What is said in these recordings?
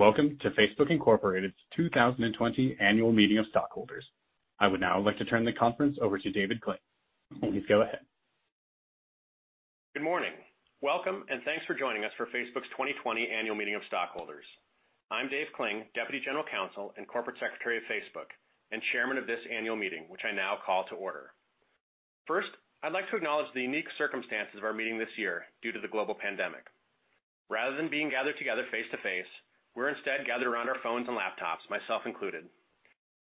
Good day. Welcome to Facebook, Inc.'s 2020 Annual Meeting of Stockholders. I would now like to turn the conference over to David Kling. Please go ahead. Good morning. Welcome. Thanks for joining us for Facebook's 2020 Annual Meeting of Stockholders. I'm Dave Kling, Deputy General Counsel and Corporate Secretary of Facebook, and Chairman of this Annual Meeting, which I now call to order. First, I'd like to acknowledge the unique circumstances of our meeting this year due to the global pandemic. Rather than being gathered together face-to-face, we're instead gathered around our phones and laptops, myself included.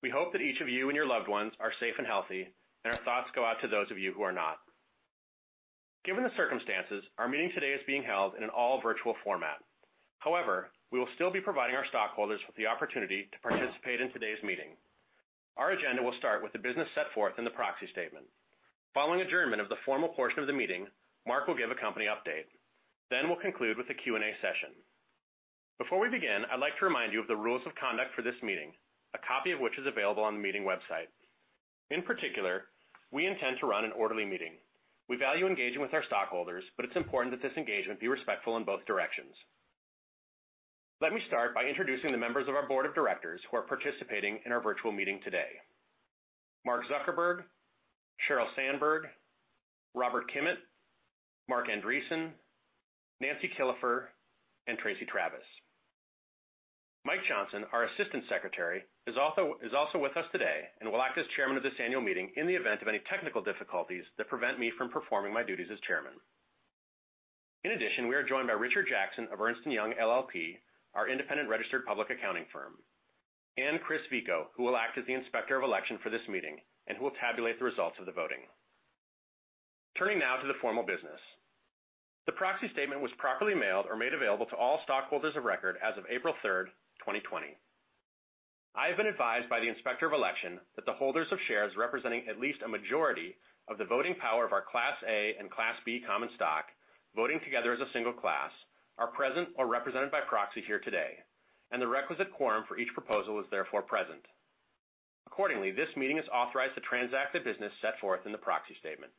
We hope that each of you and your loved ones are safe and healthy, and our thoughts go out to those of you who are not. Given the circumstances, our meeting today is being held in an all-virtual format. However, we will still be providing our stockholders with the opportunity to participate in today's meeting. Our agenda will start with the business set forth in the proxy statement. Following adjournment of the formal portion of the meeting, Mark will give a company update. We'll conclude with a Q&A session. Before we begin, I'd like to remind you of the rules of conduct for this meeting, a copy of which is available on the meeting website. In particular, we intend to run an orderly meeting. We value engaging with our stockholders, but it's important that this engagement be respectful in both directions. Let me start by introducing the members of our board of directors who are participating in our virtual meeting today. Mark Zuckerberg, Sheryl Sandberg, Robert Kimmitt, Marc Andreessen, Nancy Killefer, and Tracey Travis. Mike Johnson, our Assistant Secretary, is also with us today and will act as Chairman of this Annual Meeting in the event of any technical difficulties that prevent me from performing my duties as Chairman. We are joined by Richard Jackson of Ernst & Young LLP, our independent registered public accounting firm, and Chris Vico, who will act as the Inspector of Election for this meeting and who will tabulate the results of the voting. Turning now to the formal business. The proxy statement was properly mailed or made available to all stockholders of record as of April 3rd, 2020. I have been advised by the Inspector of Election that the holders of shares representing at least a majority of the voting power of our Class A and Class B common stock, voting together as a single class, are present or represented by proxy here today, and the requisite quorum for each proposal is therefore present. Accordingly, this meeting is authorized to transact the business set forth in the proxy statement.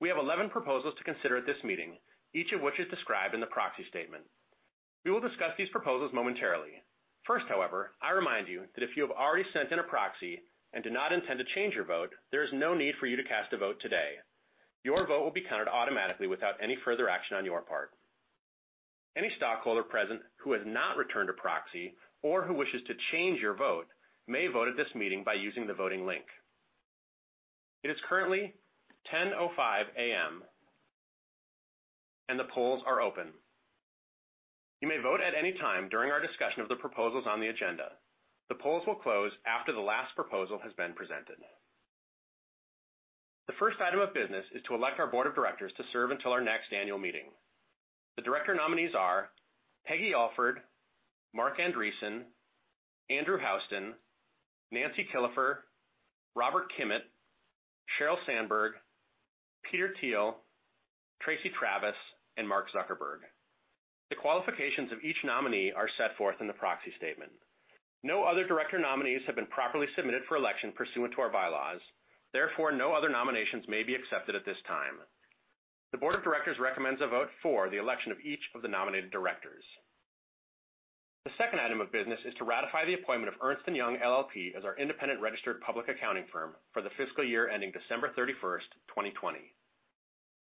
We have 11 proposals to consider at this meeting, each of which is described in the proxy statement. We will discuss these proposals momentarily. First, however, I remind you that if you have already sent in a proxy and do not intend to change your vote, there is no need for you to cast a vote today. Your vote will be counted automatically without any further action on your part. Any stockholder present who has not returned a proxy or who wishes to change your vote may vote at this meeting by using the voting link. It is currently 10:05 A.M., and the polls are open. You may vote at any time during our discussion of the proposals on the agenda. The polls will close after the last proposal has been presented. The first item of business is to elect our board of directors to serve until our next Annual Meeting. The director nominees are Peggy Alford, Marc Andreessen, Andrew Houston, Nancy Killefer, Robert Kimmitt, Sheryl Sandberg, Peter Thiel, Tracey Travis, and Mark Zuckerberg. The qualifications of each nominee are set forth in the proxy statement. No other director nominees have been properly submitted for election pursuant to our bylaws. Therefore, no other nominations may be accepted at this time. The board of directors recommends a vote for the election of each of the nominated directors. The second item of business is to ratify the appointment of Ernst & Young LLP as our independent registered public accounting firm for the fiscal year ending December 31st, 2020.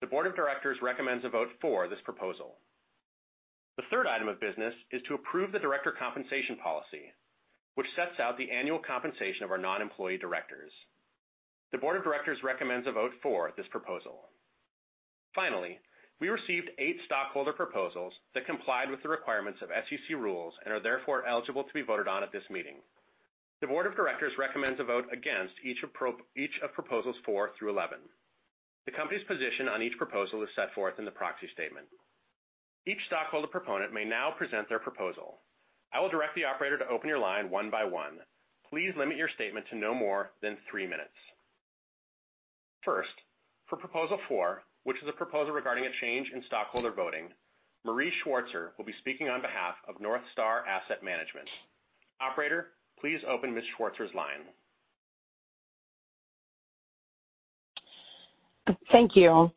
The board of directors recommends a vote for this proposal. The third item of business is to approve the Director Compensation Policy, which sets out the annual compensation of our non-employee directors. The board of directors recommends a vote for this proposal. We received eight Stockholder Proposals that complied with the requirements of SEC rules and are therefore eligible to be voted on at this meeting. The board of directors recommends a vote against each of Proposal Four through Eleven. The company's position on each proposal is set forth in the proxy statement. Each stockholder proponent may now present their proposal. I will direct the operator to open your line one by one. Please limit your statement to no more than three minutes. For Proposal Four, which is a proposal regarding a change in stockholder voting, Mari Schwartzer will be speaking on behalf of NorthStar Asset Management. Operator, please open Ms. Schwartzer's line. Thank you.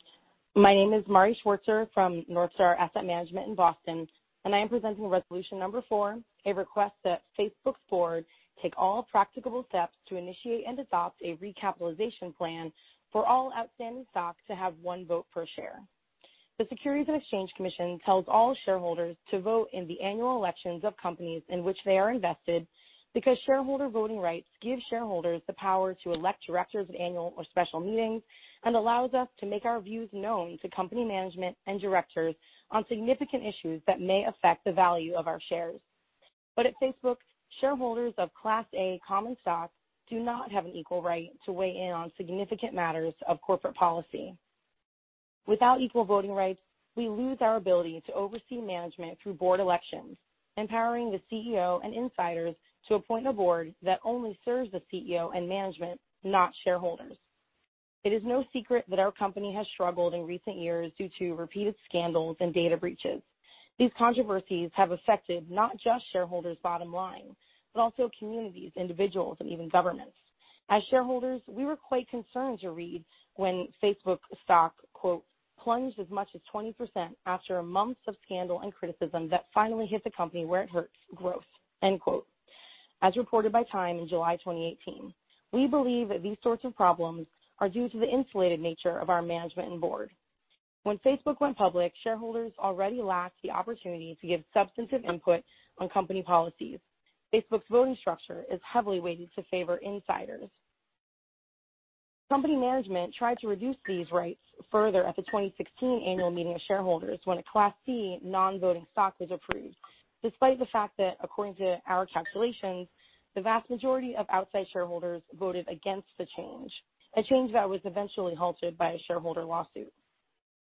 My name is Mari Schwartzer from NorthStar Asset Management in Boston. I am presenting resolution number four, a request that Facebook's board take all practicable steps to initiate and adopt a recapitalization plan for all outstanding stock to have one vote per share. The Securities and Exchange Commission tells all shareholders to vote in the annual elections of companies in which they are invested because shareholder voting rights give shareholders the power to elect directors at Annual or Special Meetings and allows us to make our views known to company management and directors on significant issues that may affect the value of our shares. At Facebook, shareholders of Class A common stock do not have an equal right to weigh in on significant matters of corporate policy. Without equal voting rights, we lose our ability to oversee management through board elections, empowering the CEO and insiders to appoint a board that only serves the CEO and management, not shareholders. It is no secret that our company has struggled in recent years due to repeated scandals and data breaches. These controversies have affected not just shareholders' bottom line, but also communities, individuals, and even governments. As shareholders, we were quite concerned to read when Facebook stock, quote, "plunged as much as 20% after months of scandal and criticism that finally hit the company where it hurts, growth." End quote. As reported by TIME in July 2018. We believe that these sorts of problems are due to the insulated nature of our management and board. When Facebook went public, shareholders already lacked the opportunity to give substantive input on company policies. Facebook's voting structure is heavily weighted to favor insiders. Company management tried to reduce these rights further at the 2016 Annual Meeting of Shareholders when a Class C non-voting stock was approved, despite the fact that according to our calculations, the vast majority of outside shareholders voted against the change, a change that was eventually halted by a shareholder lawsuit.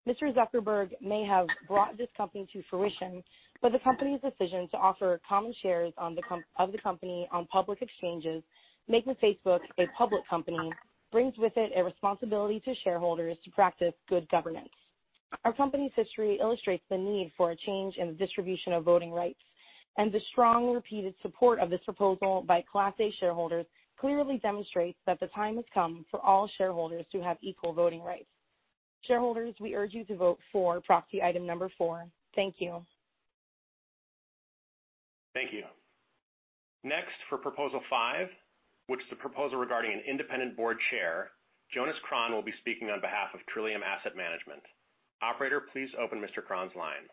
Mr. Zuckerberg may have brought this company to fruition, the company's decision to offer common shares of the company on public exchanges, making Facebook a public company, brings with it a responsibility to shareholders to practice good governance. Our company's history illustrates the need for a change in the distribution of voting rights, the strong repeated support of this proposal by Class A shareholders clearly demonstrates that the time has come for all shareholders to have equal voting rights. Shareholders, we urge you to vote for proxy item number four. Thank you. Thank you. Next, for Proposal Five, which is the proposal regarding an independent board chair, Jonas Kron will be speaking on behalf of Trillium Asset Management. Operator, please open Mr. Kron's line.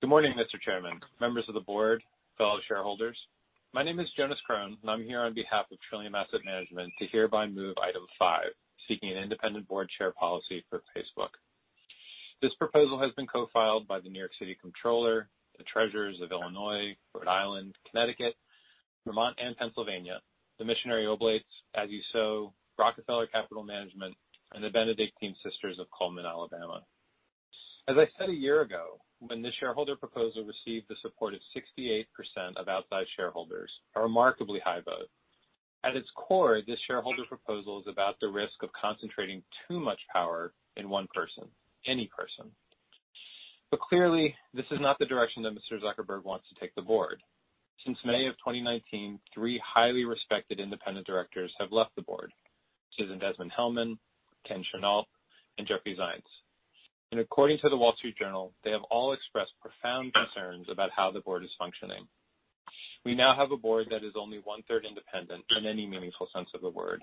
Good morning, Mr. Chairman, members of the board, fellow shareholders. My name is Jonas Kron, and I'm here on behalf of Trillium Asset Management to hereby move item five, seeking an independent board chair policy for Facebook. This proposal has been co-filed by the New York City Comptroller, the Treasurers of Illinois, Rhode Island, Connecticut, Vermont, and Pennsylvania, the Missionary Oblates, As You Sow, Rockefeller Capital Management, and the Benedictine Sisters of Cullman, Alabama. As I said a year ago, when this shareholder proposal received the support of 68% of outside shareholders, a remarkably high vote. At its core, this shareholder proposal is about the risk of concentrating too much power in one person, any person. Clearly, this is not the direction that Mr. Zuckerberg wants to take the board. Since May of 2019, three highly respected independent directors have left the board, Susan Desmond-Hellmann, Ken Chenault, and Jeffrey Zients. According to the Wall Street Journal, they have all expressed profound concerns about how the board is functioning. We now have a board that is only 1/3 independent in any meaningful sense of the word.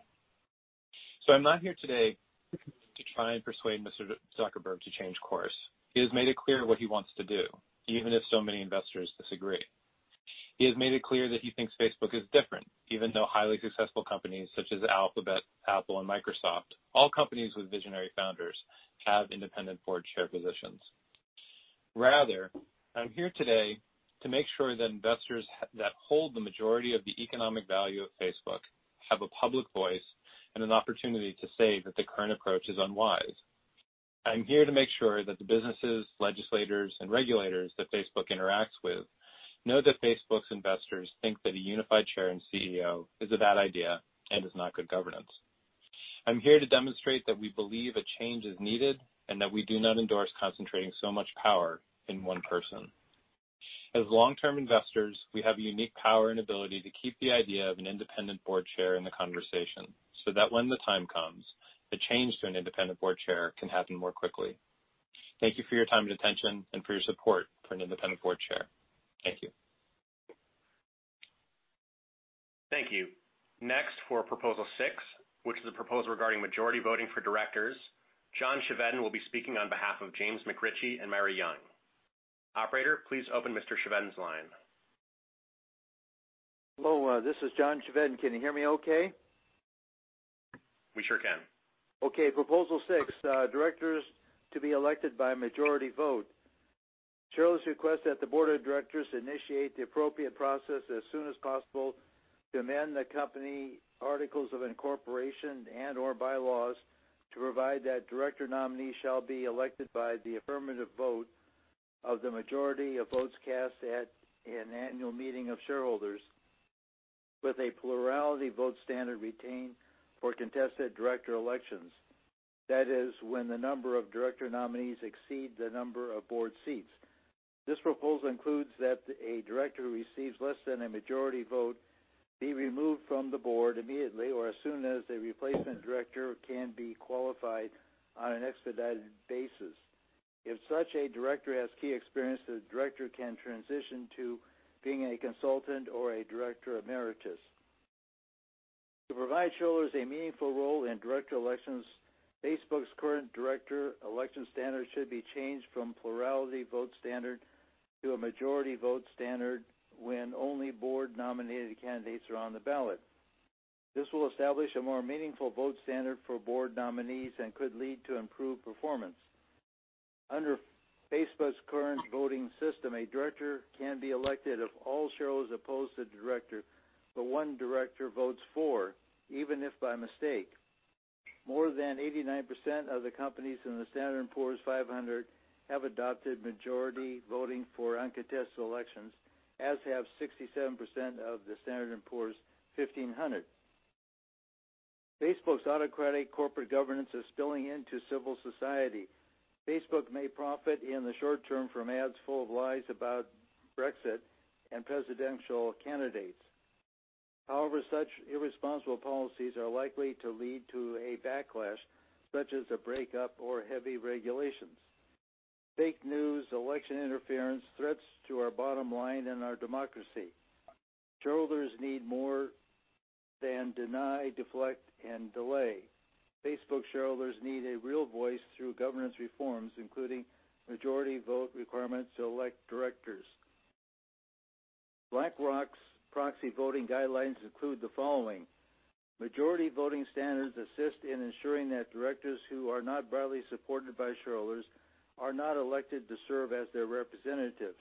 I'm not here today to try and persuade Mr. Zuckerberg to change course. He has made it clear what he wants to do, even if so many investors disagree. He has made it clear that he thinks Facebook is different, even though highly successful companies such as Alphabet, Apple, and Microsoft, all companies with visionary founders, have independent board chair positions. Rather, I'm here today to make sure that investors that hold the majority of the economic value of Facebook have a public voice and an opportunity to say that the current approach is unwise. I'm here to make sure that the businesses, legislators, and regulators that Facebook interacts with know that Facebook's investors think that a unified Chair and CEO is a bad idea and is not good governance. I'm here to demonstrate that we believe a change is needed and that we do not endorse concentrating so much power in one person. As long-term investors, we have a unique power and ability to keep the idea of an independent board chair in the conversation so that when the time comes, the change to an independent board chair can happen more quickly. Thank you for your time and attention and for your support for an independent board chair. Thank you. Thank you. Next, for Proposal Six, which is a proposal regarding majority voting for directors, John Chevedden will be speaking on behalf of James McRitchie and Mary Young. Operator, please open Mr. Chevedden's line. Hello, this is John Chevedden. Can you hear me okay? We sure can. Okay, Proposal Six, directors to be elected by a majority vote. Shareholders request that the board of directors initiate the appropriate process as soon as possible to amend the company articles of incorporation and/or bylaws to provide that director nominees shall be elected by the affirmative vote of the majority of votes cast at an Annual Meeting of Shareholders with a plurality vote standard retained for contested director elections. That is when the number of director nominees exceed the number of board seats. This proposal includes that a director receives less than a majority vote be removed from the board immediately or as soon as a replacement director can be qualified on an expedited basis. If such a director has key experience, the director can transition to being a consultant or a director emeritus. To provide shareholders a meaningful role in director elections, Facebook's current director election standard should be changed from plurality vote standard to a majority vote standard when only board-nominated candidates are on the ballot. This will establish a more meaningful vote standard for board nominees and could lead to improved performance. Under Facebook's current voting system, a director can be elected if all shareholders oppose the director, but one director votes for, even if by mistake. More than 89% of the companies in the Standard & Poor's 500 have adopted majority voting for uncontested elections, as have 67% of the Standard & Poor's 1500. Facebook's autocratic corporate governance is spilling into civil society. Facebook may profit in the short term from ads full of lies about Brexit and presidential candidates. Such irresponsible policies are likely to lead to a backlash, such as a breakup or heavy regulations. Fake news, election interference, threats to our bottom line and our democracy. Shareholders need more than deny, deflect, and delay. Facebook shareholders need a real voice through governance reforms, including majority vote requirements to elect directors. BlackRock's proxy voting guidelines include the following: Majority voting standards assist in ensuring that directors who are not broadly supported by shareholders are not elected to serve as their representatives.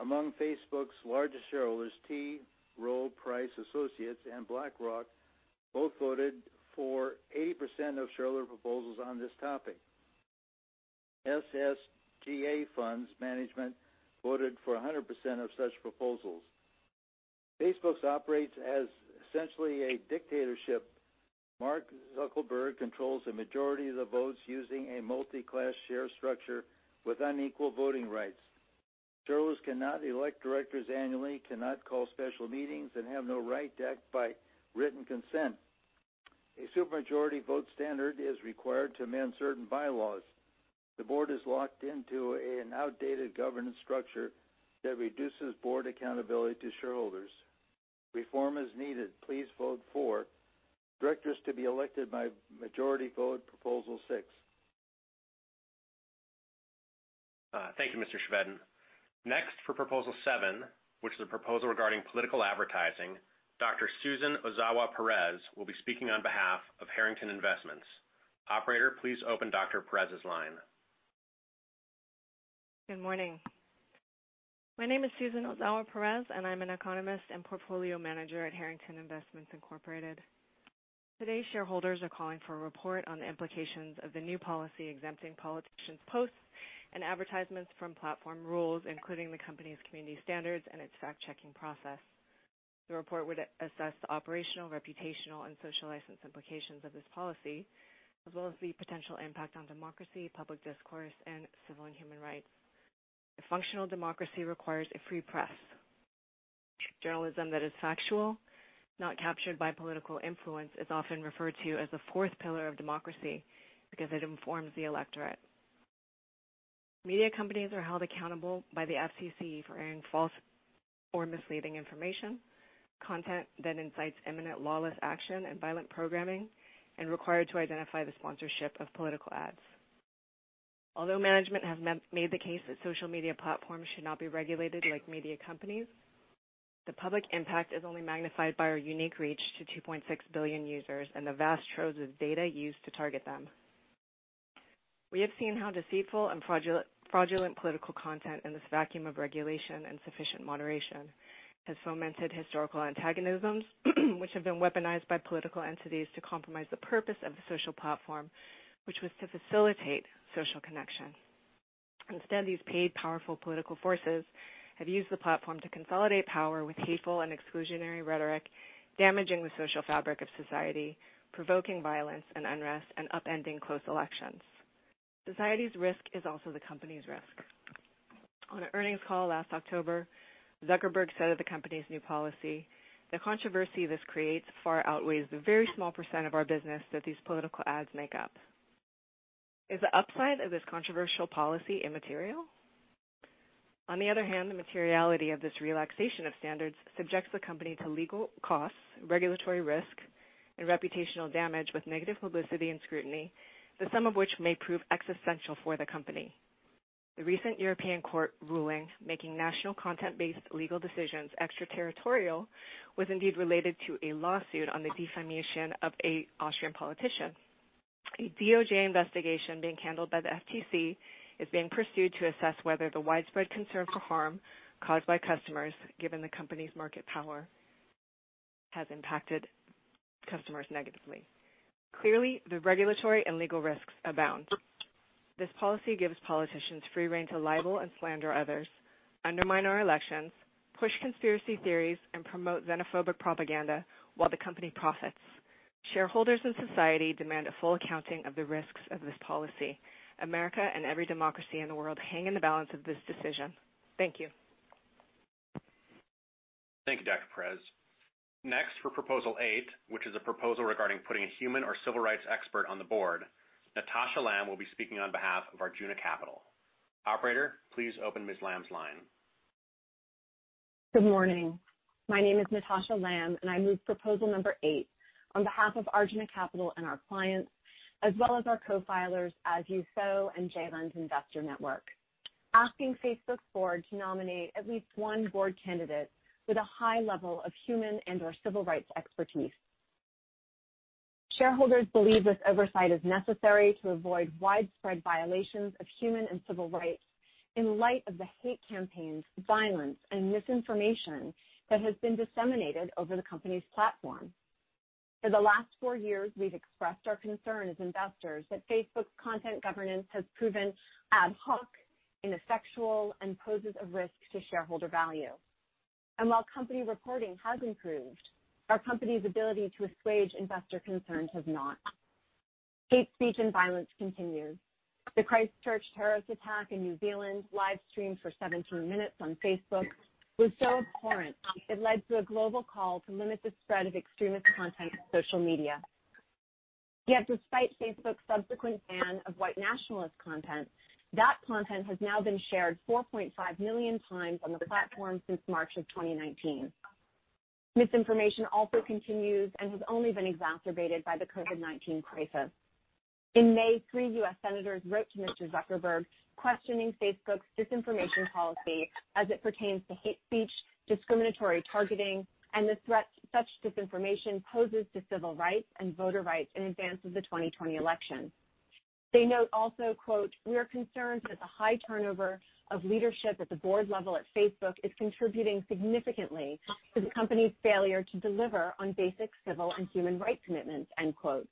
Among Facebook's largest shareholders, T. Rowe Price Associates and BlackRock both voted for 80% of shareholder proposals on this topic. SSGA Funds Management voted for 100% of such proposals. Facebook operates as essentially a dictatorship. Mark Zuckerberg controls a majority of the votes using a multi-class share structure with unequal voting rights. Shareholders cannot elect directors annually, cannot call special meetings, and have no right to act by written consent. A supermajority vote standard is required to amend certain bylaws. The board is locked into an outdated governance structure that reduces board accountability to shareholders. Reform is needed. Please vote for directors to be elected by majority vote Proposal Six. Thank you, Mr. Chevedden. Next, for Proposal Seven, which is a proposal regarding political advertising, Dr. Susan Ozawa Perez will be speaking on behalf of Harrington Investments. Operator, please open Dr. Perez's line. Good morning. My name is Susan Ozawa Perez, and I'm an economist and Portfolio Manager at Harrington Investments Incorporated. Today, shareholders are calling for a report on the implications of the new policy exempting politicians' posts and advertisements from platform rules, including the company's community standards and its fact-checking process. The report would assess the operational, reputational, and social license implications of this policy, as well as the potential impact on democracy, public discourse, and civil and human rights. A functional democracy requires a free press. Journalism that is factual, not captured by political influence, is often referred to as the fourth pillar of democracy because it informs the electorate. Media companies are held accountable by the FCC for airing false or misleading information, content that incites imminent lawless action and violent programming, and required to identify the sponsorship of political ads. Although management have made the case that social media platforms should not be regulated like media companies, the public impact is only magnified by our unique reach to 2.6 billion users and the vast troves of data used to target them. We have seen how deceitful and fraudulent political content in this vacuum of regulation and sufficient moderation has fomented historical antagonisms, which have been weaponized by political entities to compromise the purpose of the social platform, which was to facilitate social connection. Instead, these paid, powerful political forces have used the platform to consolidate power with hateful and exclusionary rhetoric, damaging the social fabric of society, provoking violence and unrest, and upending close elections. Society's risk is also the company's risk. On an earnings call last October, Zuckerberg said of the company's new policy, "The controversy this creates far outweighs the very small percent of our business that these political ads make up." Is the upside of this controversial policy immaterial? On the other hand, the materiality of this relaxation of standards subjects the company to legal costs, regulatory risk, and reputational damage with negative publicity and scrutiny, the sum of which may prove existential for the company. The recent European court ruling making national content-based legal decisions extraterritorial was indeed related to a lawsuit on the defamation of an Austrian politician. A DOJ investigation being handled by the FTC is being pursued to assess whether the widespread concern for harm caused by customers, given the company's market power, has impacted customers negatively. Clearly, the regulatory and legal risks abound. This policy gives politicians free rein to libel and slander others, undermine our elections, push conspiracy theories, and promote xenophobic propaganda while the company profits. Shareholders and society demand a full accounting of the risks of this policy. America and every democracy in the world hang in the balance of this decision. Thank you. Thank you, Dr. Perez. Next, for Proposal Eight, which is a proposal regarding putting a human or civil rights expert on the board, Natasha Lamb will be speaking on behalf of Arjuna Capital. Operator, please open Ms. Lamb's line. Good morning. My name is Natasha Lamb, I move Proposal Eight on behalf of Arjuna Capital and our clients, as well as our co-filers, As You Sow and JLens Investor Network, asking Facebook's board to nominate at least one board candidate with a high level of human and/or civil rights expertise. Shareholders believe this oversight is necessary to avoid widespread violations of human and civil rights in light of the hate campaigns, violence, and misinformation that has been disseminated over the company's platform. For the last four years, we've expressed our concern as investors that Facebook's content governance has proven ad hoc, ineffectual, and poses a risk to shareholder value. While company reporting has improved, our company's ability to assuage investor concerns has not. Hate speech and violence continues. The Christchurch terrorist attack in New Zealand, live-streamed for 17 minutes on Facebook, was so abhorrent it led to a global call to limit the spread of extremist content on social media. Yet despite Facebook's subsequent ban of white nationalist content, that content has now been shared 4.5 million times on the platform since March of 2019. Misinformation also continues and has only been exacerbated by the COVID-19 crisis. In May, three U.S. senators wrote to Mr. Zuckerberg questioning Facebook's disinformation policy as it pertains to hate speech, discriminatory targeting, and the threat such disinformation poses to civil rights and voter rights in advance of the 2020 election. They note also, quote, "We are concerned that the high turnover of leadership at the board level at Facebook is contributing significantly to the company's failure to deliver on basic civil and human rights commitments." End quote.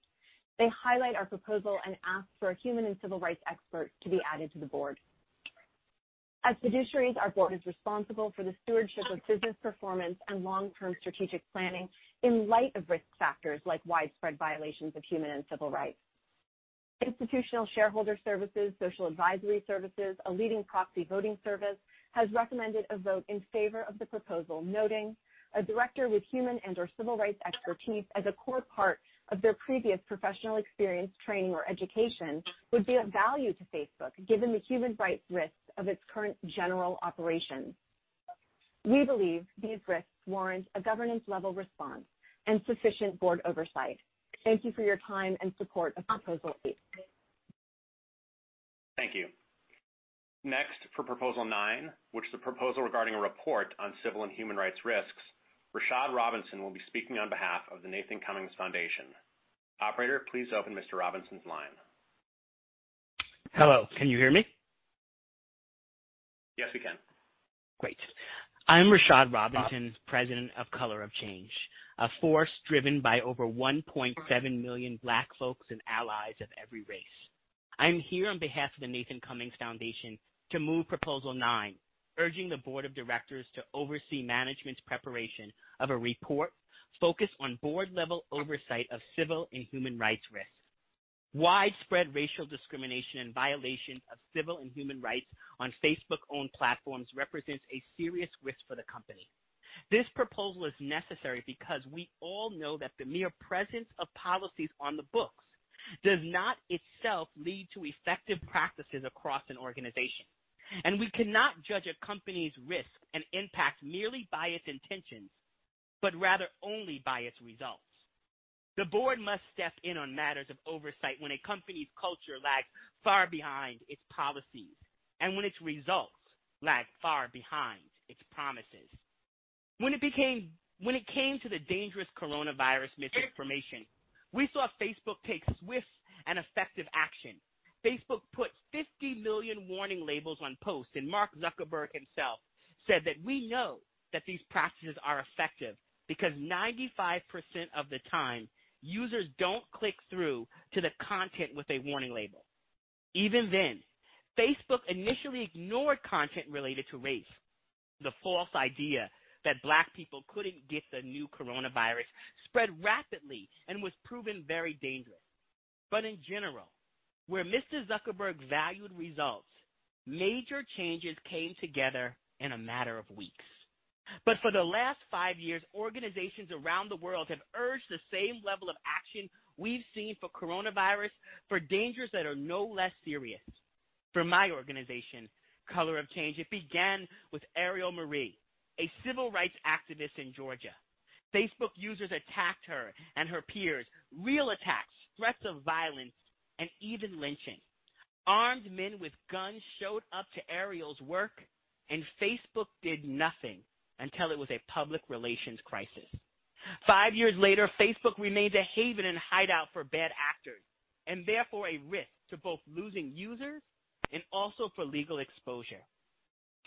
They highlight our proposal and ask for a human and civil rights expert to be added to the board. As fiduciaries, our board is responsible for the stewardship of business performance and long-term strategic planning in light of risk factors like widespread violations of human and civil rights. Institutional Shareholder Services, social advisory services, a leading proxy voting service, has recommended a vote in favor of the proposal, noting a director with human and/or civil rights expertise as a core part of their previous professional experience, training, or education would be of value to Facebook, given the human rights risks of its current general operations. We believe these risks warrant a governance-level response and sufficient board oversight. Thank you for your time and support of Proposal Eight. Thank you. Next, for Proposal Nine, which is the proposal regarding a report on civil and human rights risks, Rashad Robinson will be speaking on behalf of the Nathan Cummings Foundation. Operator, please open Mr. Robinson's line. Hello, can you hear me? Yes, we can. Great. I'm Rashad Robinson, President of Color Of Change, a force driven by over 1.7 million Black folks and allies of every race. I'm here on behalf of the Nathan Cummings Foundation to move Proposal Nine, urging the board of directors to oversee management's preparation of a report focused on board-level oversight of civil and human rights risks. Widespread racial discrimination and violation of civil and human rights on Facebook-owned platforms represents a serious risk for the company. This proposal is necessary because we all know that the mere presence of policies on the books does not itself lead to effective practices across an organization. We cannot judge a company's risk and impact merely by its intentions, but rather only by its results. The board must step in on matters of oversight when a company's culture lags far behind its policies and when its results lag far behind its promises. When it came to the dangerous coronavirus misinformation, we saw Facebook take swift and effective action. Facebook put 50 million warning labels on posts, Mark Zuckerberg himself said that we know that these practices are effective because 95% of the time, users don't click through to the content with a warning label. Even then, Facebook initially ignored content related to race. The false idea that Black people couldn't get the new coronavirus spread rapidly and was proven very dangerous. In general, where Mr. Zuckerberg valued results, major changes came together in a matter of weeks. For the last five years, organizations around the world have urged the same level of action we've seen for COVID-19 for dangers that are no less serious. For my organization, Color Of Change, it began with Ariel Marie, a civil rights activist in Georgia. Facebook users attacked her and her peers, real attacks, threats of violence, and even lynching. Armed men with guns showed up to Ariel's work, and Facebook did nothing until it was a public relations crisis. Five years later, Facebook remains a haven and hideout for bad actors, and therefore a risk to both losing users and also for legal exposure.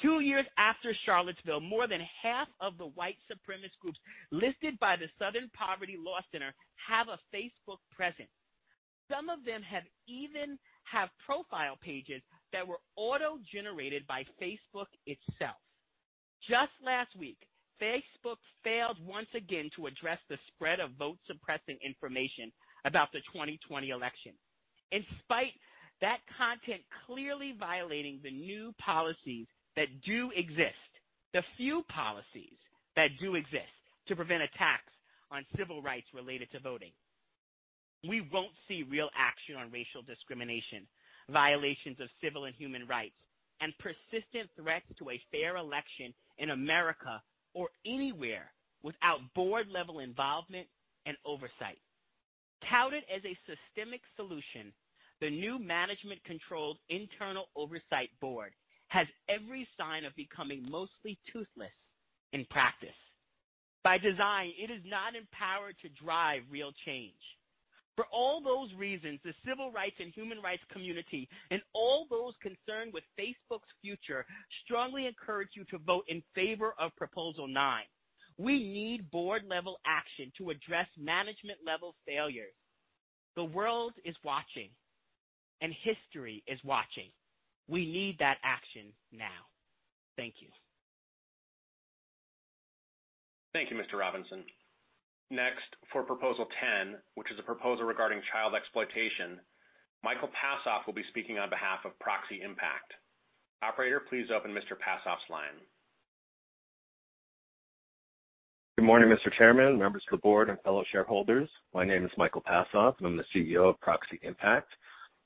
Two years after Charlottesville, more than half of the white supremacist groups listed by the Southern Poverty Law Center have a Facebook presence. Some of them even have profile pages that were auto-generated by Facebook itself. Just last week, Facebook failed once again to address the spread of vote-suppressing information about the 2020 election, in spite that content clearly violating the new policies that do exist, the few policies that do exist to prevent attacks on civil rights related to voting. We won't see real action on racial discrimination, violations of civil and human rights, and persistent threats to a fair election in America or anywhere without board-level involvement and oversight. Touted as a systemic solution, the new management-controlled internal oversight board has every sign of becoming mostly toothless in practice. By design, it is not empowered to drive real change. For all those reasons, the civil rights and human rights community and all those concerned with Facebook's future strongly encourage you to vote in favor of Proposal Nine. We need board-level action to address management-level failures. The world is watching. History is watching. We need that action now. Thank you. Thank you, Mr. Robinson. Next, for Proposal Ten, which is a proposal regarding child exploitation, Michael Passoff will be speaking on behalf of Proxy Impact. Operator, please open Mr. Passoff's line. Good morning, Mr. Chairman, members of the board, and fellow shareholders. My name is Michael Passoff and I'm the CEO of Proxy Impact.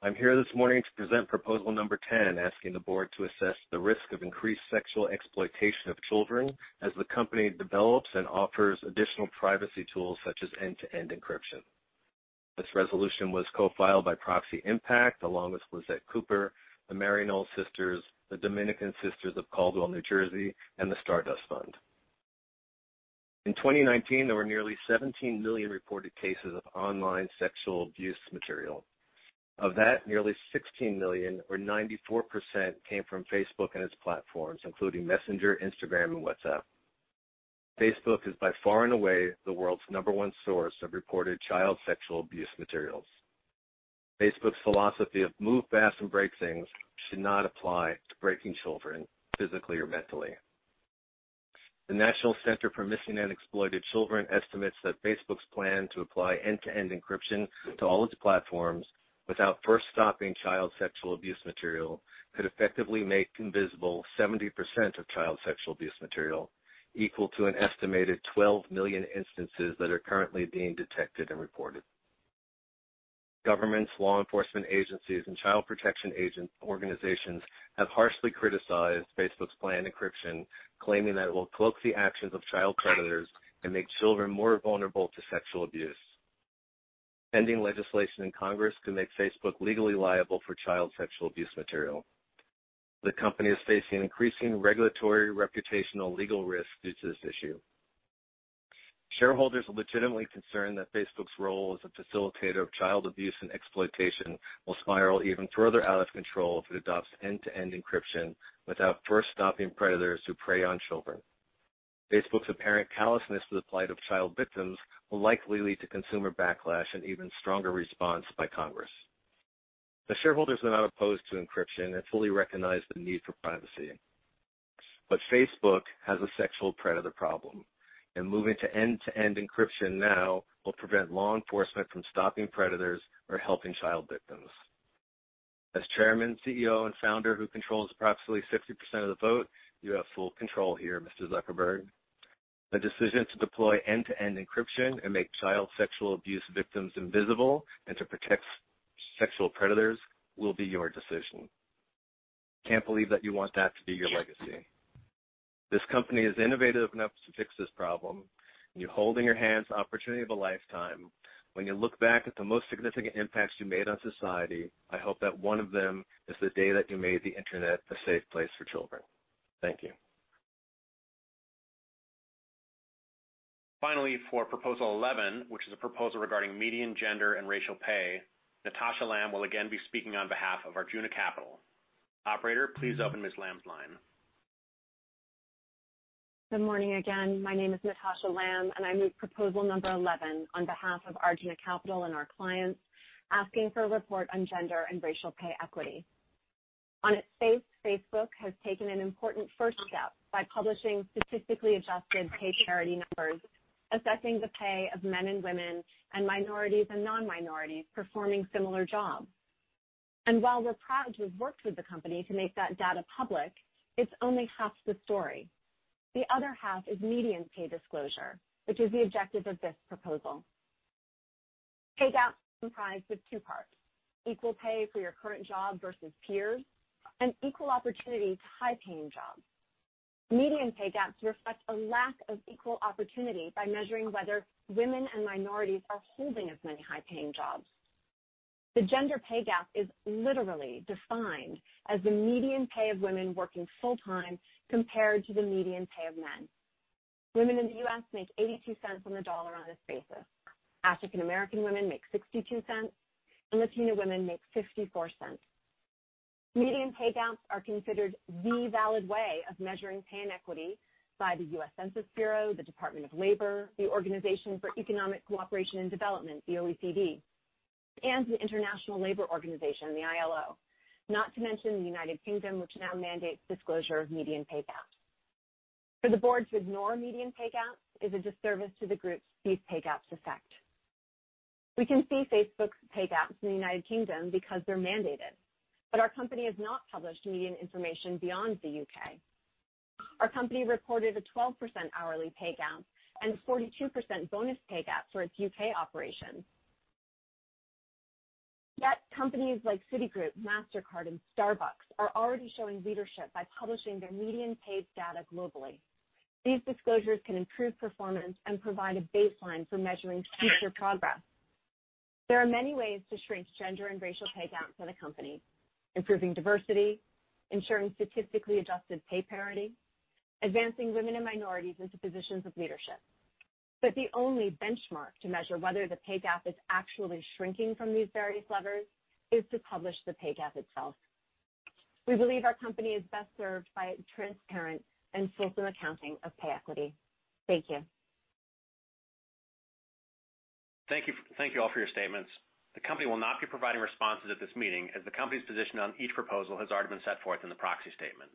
I'm here this morning to present Proposal Ten, asking the board to assess the risk of increased sexual exploitation of children as the company develops and offers additional privacy tools such as end-to-end encryption. This resolution was co-filed by Proxy Impact, along with Lisette Cooper, the Maryknoll Sisters, the Dominican Sisters of Caldwell, New Jersey, and the Stardust Fund. In 2019, there were nearly 17 million reported cases of online sexual abuse material. Of that, nearly 16 million or 94% came from Facebook and its platforms, including Messenger, Instagram and WhatsApp. Facebook is by far and away the world's number one source of reported child sexual abuse materials. Facebook's philosophy of move fast and break things should not apply to breaking children physically or mentally. The National Center for Missing & Exploited Children estimates that Facebook's plan to apply end-to-end encryption to all its platforms without first stopping child sexual abuse material could effectively make invisible 70% of child sexual abuse material, equal to an estimated 12 million instances that are currently being detected and reported. Governments, law enforcement agencies, and child protection agent organizations have harshly criticized Facebook's planned encryption, claiming that it will cloak the actions of child predators and make children more vulnerable to sexual abuse. Pending legislation in Congress could make Facebook legally liable for child sexual abuse material. The company is facing increasing regulatory, reputational, legal risk due to this issue. Shareholders are legitimately concerned that Facebook's role as a facilitator of child abuse and exploitation will spiral even further out of control if it adopts end-to-end encryption without first stopping predators who prey on children. Facebook's apparent callousness to the plight of child victims will likely lead to consumer backlash and even stronger response by Congress. The shareholders are not opposed to encryption and fully recognize the need for privacy. Facebook has a sexual predator problem, and moving to end-to-end encryption now will prevent law enforcement from stopping predators or helping child victims. As Chairman, CEO, and founder who controls approximately 60% of the vote, you have full control here, Mr. Zuckerberg. The decision to deploy end-to-end encryption and make child sexual abuse victims invisible and to protect sexual predators will be your decision. Can't believe that you want that to be your legacy. This company is innovative enough to fix this problem. You hold in your hands the opportunity of a lifetime. When you look back at the most significant impacts you made on society, I hope that one of them is the day that you made the internet a safe place for children. Thank you. Finally for Proposal Eleven, which is a proposal regarding median gender and racial pay, Natasha Lamb will again be speaking on behalf of Arjuna Capital. Operator, please open Ms. Lamb's line. Good morning again. My name is Natasha Lamb, I move Proposal Eleven on behalf of Arjuna Capital and our clients, asking for a report on gender and racial pay equity. On its face, Facebook has taken an important first step by publishing statistically adjusted pay parity numbers, assessing the pay of men and women and minorities and non-minorities performing similar jobs. While we're proud to have worked with the company to make that data public, it's only half the story. The other half is median pay disclosure, which is the objective of this proposal. Pay gap is comprised of two parts, equal pay for your current job versus peers, and equal opportunity to high-paying jobs. Median pay gaps reflect a lack of equal opportunity by measuring whether women and minorities are holding as many high-paying jobs. The gender pay gap is literally defined as the median pay of women working full-time compared to the median pay of men. Women in the U.S. make $0.82 on the dollar on this basis. African American women make $0.62, and Latina women make $0.54. Median pay gaps are considered the valid way of measuring pay and equity by the U.S. Census Bureau, the Department of Labor, the Organisation for Economic Co-operation and Development, the OECD, and the International Labour Organization, the ILO, not to mention the U.K., which now mandates disclosure of median pay gaps. For the board to ignore median pay gaps is a disservice to the groups these pay gaps affect. We can see Facebook's pay gaps in the U.K. because they're mandated, but our company has not published median information beyond the U.K. Our company reported a 12% hourly pay gap and a 42% bonus pay gap for its U.K. operations. Companies like Citigroup, Mastercard, and Starbucks are already showing leadership by publishing their median pays data globally. These disclosures can improve performance and provide a baseline for measuring future progress. There are many ways to shrink gender and racial pay gaps for the company, improving diversity, ensuring statistically adjusted pay parity, advancing women and minorities into positions of leadership. The only benchmark to measure whether the pay gap is actually shrinking from these various levers is to publish the pay gap itself. We believe our company is best served by a transparent and full accounting of pay equity. Thank you. Thank you all for your statements. The company will not be providing responses at this meeting, as the company's position on each proposal has already been set forth in the proxy statement.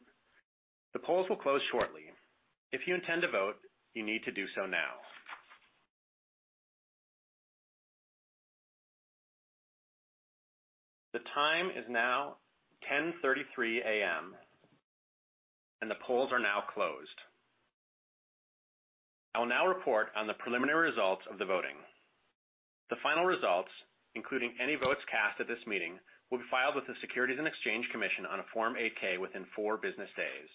The polls will close shortly. If you intend to vote, you need to do so now. The time is now 10:33 A.M., and the polls are now closed. I will now report on the preliminary results of the voting. The final results, including any votes cast at this meeting, will be filed with the Securities and Exchange Commission on a Form 8-K within four business days.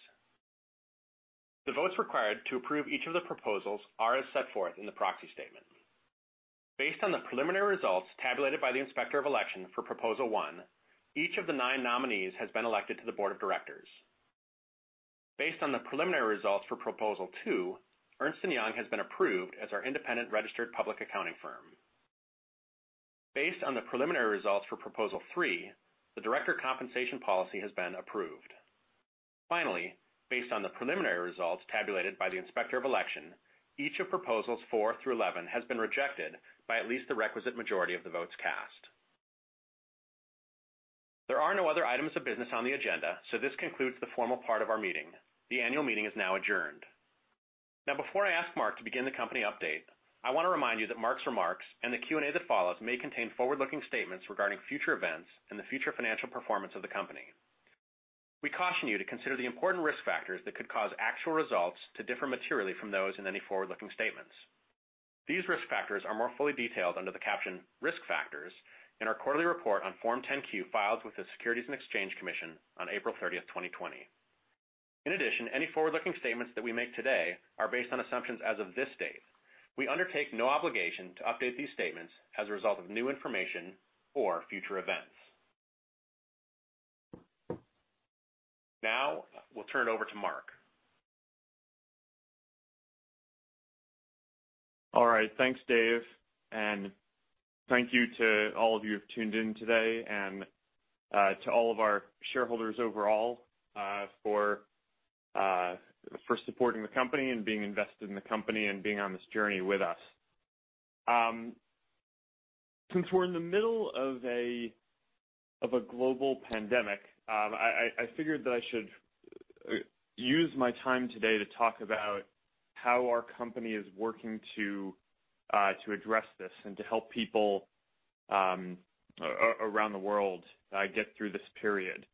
The votes required to approve each of the proposals are as set forth in the proxy statement. Based on the preliminary results tabulated by the Inspector of Election for Proposal One, each of the nine nominees has been elected to the board of directors. Based on the preliminary results for Proposal Two, Ernst & Young has been approved as our independent registered public accounting firm. Based on the preliminary results for Proposal Three, the Director Compensation Policy has been approved. Finally, based on the preliminary results tabulated by the Inspector of Election, each of Proposals Four through Eleven has been rejected by at least the requisite majority of the votes cast. There are no other items of business on the agenda. This concludes the formal part of our meeting. The Annual Meeting is now adjourned. Now, before I ask Mark to begin the company update, I want to remind you that Mark's remarks and the Q&A that follows may contain forward-looking statements regarding future events and the future financial performance of the company. We caution you to consider the important risk factors that could cause actual results to differ materially from those in any forward-looking statements. These risk factors are more fully detailed under the caption "Risk Factors" in our quarterly report on Form 10-Q, filed with the Securities and Exchange Commission on April 30th, 2020. In addition, any forward-looking statements that we make today are based on assumptions as of this date. We undertake no obligation to update these statements as a result of new information or future events. Now, we'll turn it over to Mark. All right. Thanks, Dave. Thank you to all of you who've tuned in today and to all of our shareholders overall for supporting the company and being invested in the company, and being on this journey with us. Since we're in the middle of a global pandemic, I figured that I should use my time today to talk about how our company is working to address this and to help people around the world get through this period.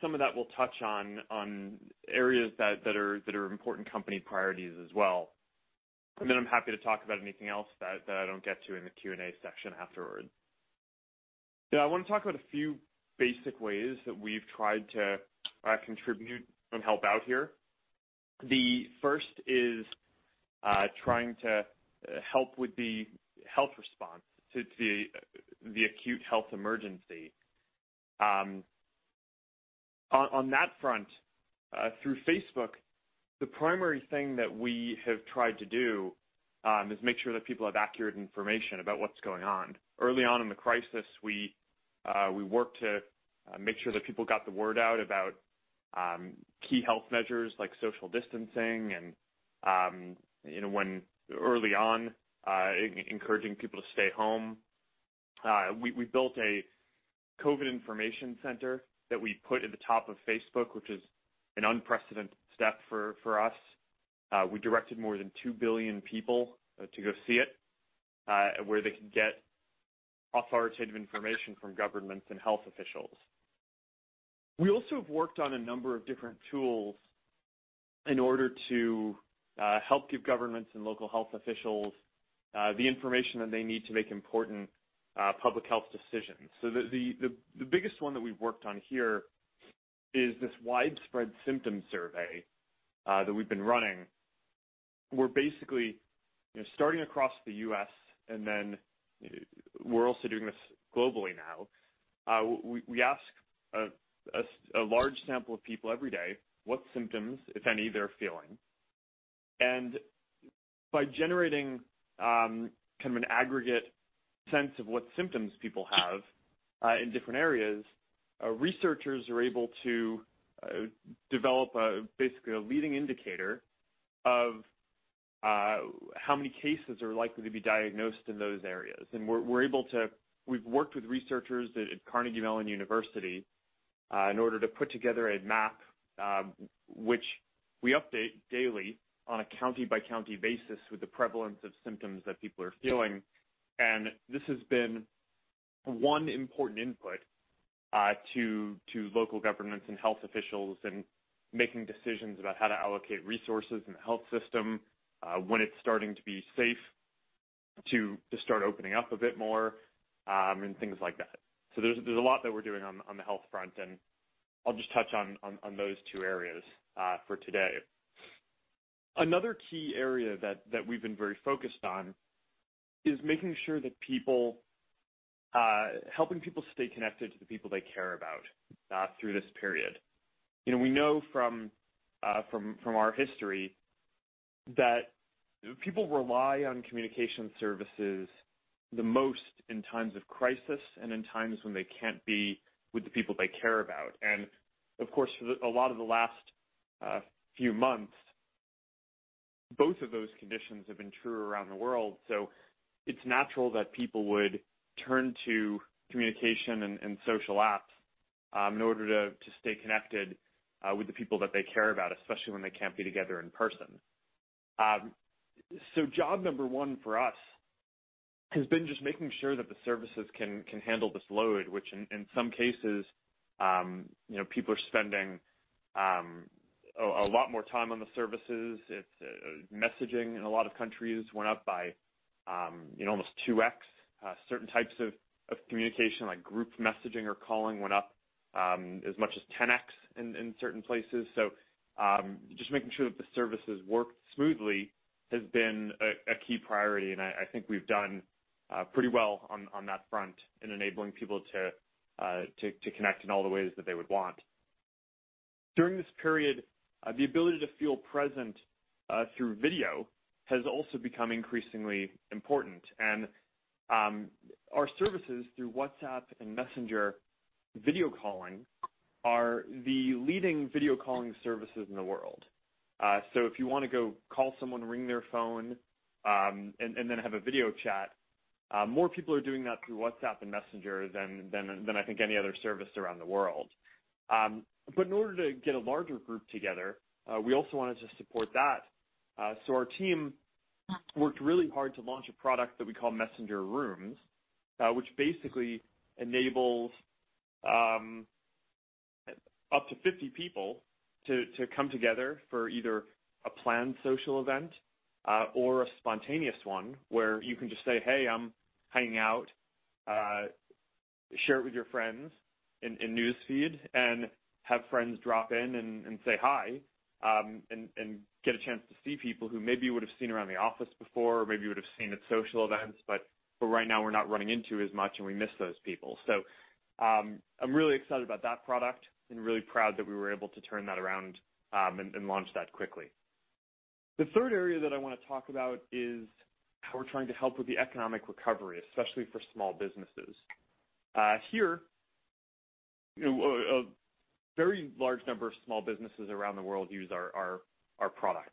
Some of that we'll touch on areas that are important company priorities as well. I'm happy to talk about anything else that I don't get to in the Q&A section afterward. I want to talk about a few basic ways that we've tried to contribute and help out here. The first is trying to help with the health response to the acute health emergency. On that front, through Facebook, the primary thing that we have tried to do is make sure that people have accurate information about what's going on. Early on in the crisis, we worked to make sure that people got the word out about key health measures like social distancing and early on, encouraging people to stay home. We built a COVID information center that we put at the top of Facebook, which is an unprecedented step for us. We directed more than 2 billion people to go see it, where they could get authoritative information from governments and health officials. We also have worked on a number of different tools in order to help give governments and local health officials the information that they need to make important public health decisions. The biggest one that we've worked on here is this widespread symptom survey that we've been running. We're basically starting across the U.S., and then we're also doing this globally now. We ask a large sample of people every day what symptoms, if any, they're feeling. By generating kind of an aggregate sense of what symptoms people have in different areas, researchers are able to develop basically a leading indicator of how many cases are likely to be diagnosed in those areas. We've worked with researchers at Carnegie Mellon University in order to put together a map, which we update daily on a county-by-county basis with the prevalence of symptoms that people are feeling. This has been one important input to local governments and health officials in making decisions about how to allocate resources in the health system, when it's starting to be safe to start opening up a bit more, and things like that. There's a lot that we're doing on the health front, and I'll just touch on those two areas for today. Another key area that we've been very focused on is helping people stay connected to the people they care about through this period. We know from our history that people rely on communication services the most in times of crisis and in times when they can't be with the people they care about. Of course, for a lot of the last few months. Both of those conditions have been true around the world. It's natural that people would turn to communication and social apps in order to stay connected with the people that they care about, especially when they can't be together in person. Job number one for us has been just making sure that the services can handle this load, which in some cases, people are spending a lot more time on the services. Messaging in a lot of countries went up by almost 2x. Certain types of communication, like group messaging or calling, went up as much as 10x in certain places. Just making sure that the services work smoothly has been a key priority, and I think we've done pretty well on that front in enabling people to connect in all the ways that they would want. During this period, the ability to feel present through video has also become increasingly important, and our services through WhatsApp and Messenger video calling are the leading video calling services in the world. If you want to go call someone, ring their phone, and then have a video chat, more people are doing that through WhatsApp and Messenger than I think any other service around the world. In order to get a larger group together, we also wanted to support that. Our team worked really hard to launch a product that we call Messenger Rooms, which basically enables up to 50 people to come together for either a planned social event or a spontaneous one where you can just say, "Hey, I'm hanging out," share it with your friends in News Feed, and have friends drop in and say hi, and get a chance to see people who maybe you would've seen around the office before, or maybe you would've seen at social events, but for right now, we're not running into as much, and we miss those people. I'm really excited about that product and really proud that we were able to turn that around and launch that quickly. The third area that I want to talk about is how we're trying to help with the economic recovery, especially for small businesses. Here, a very large number of small businesses around the world use our products.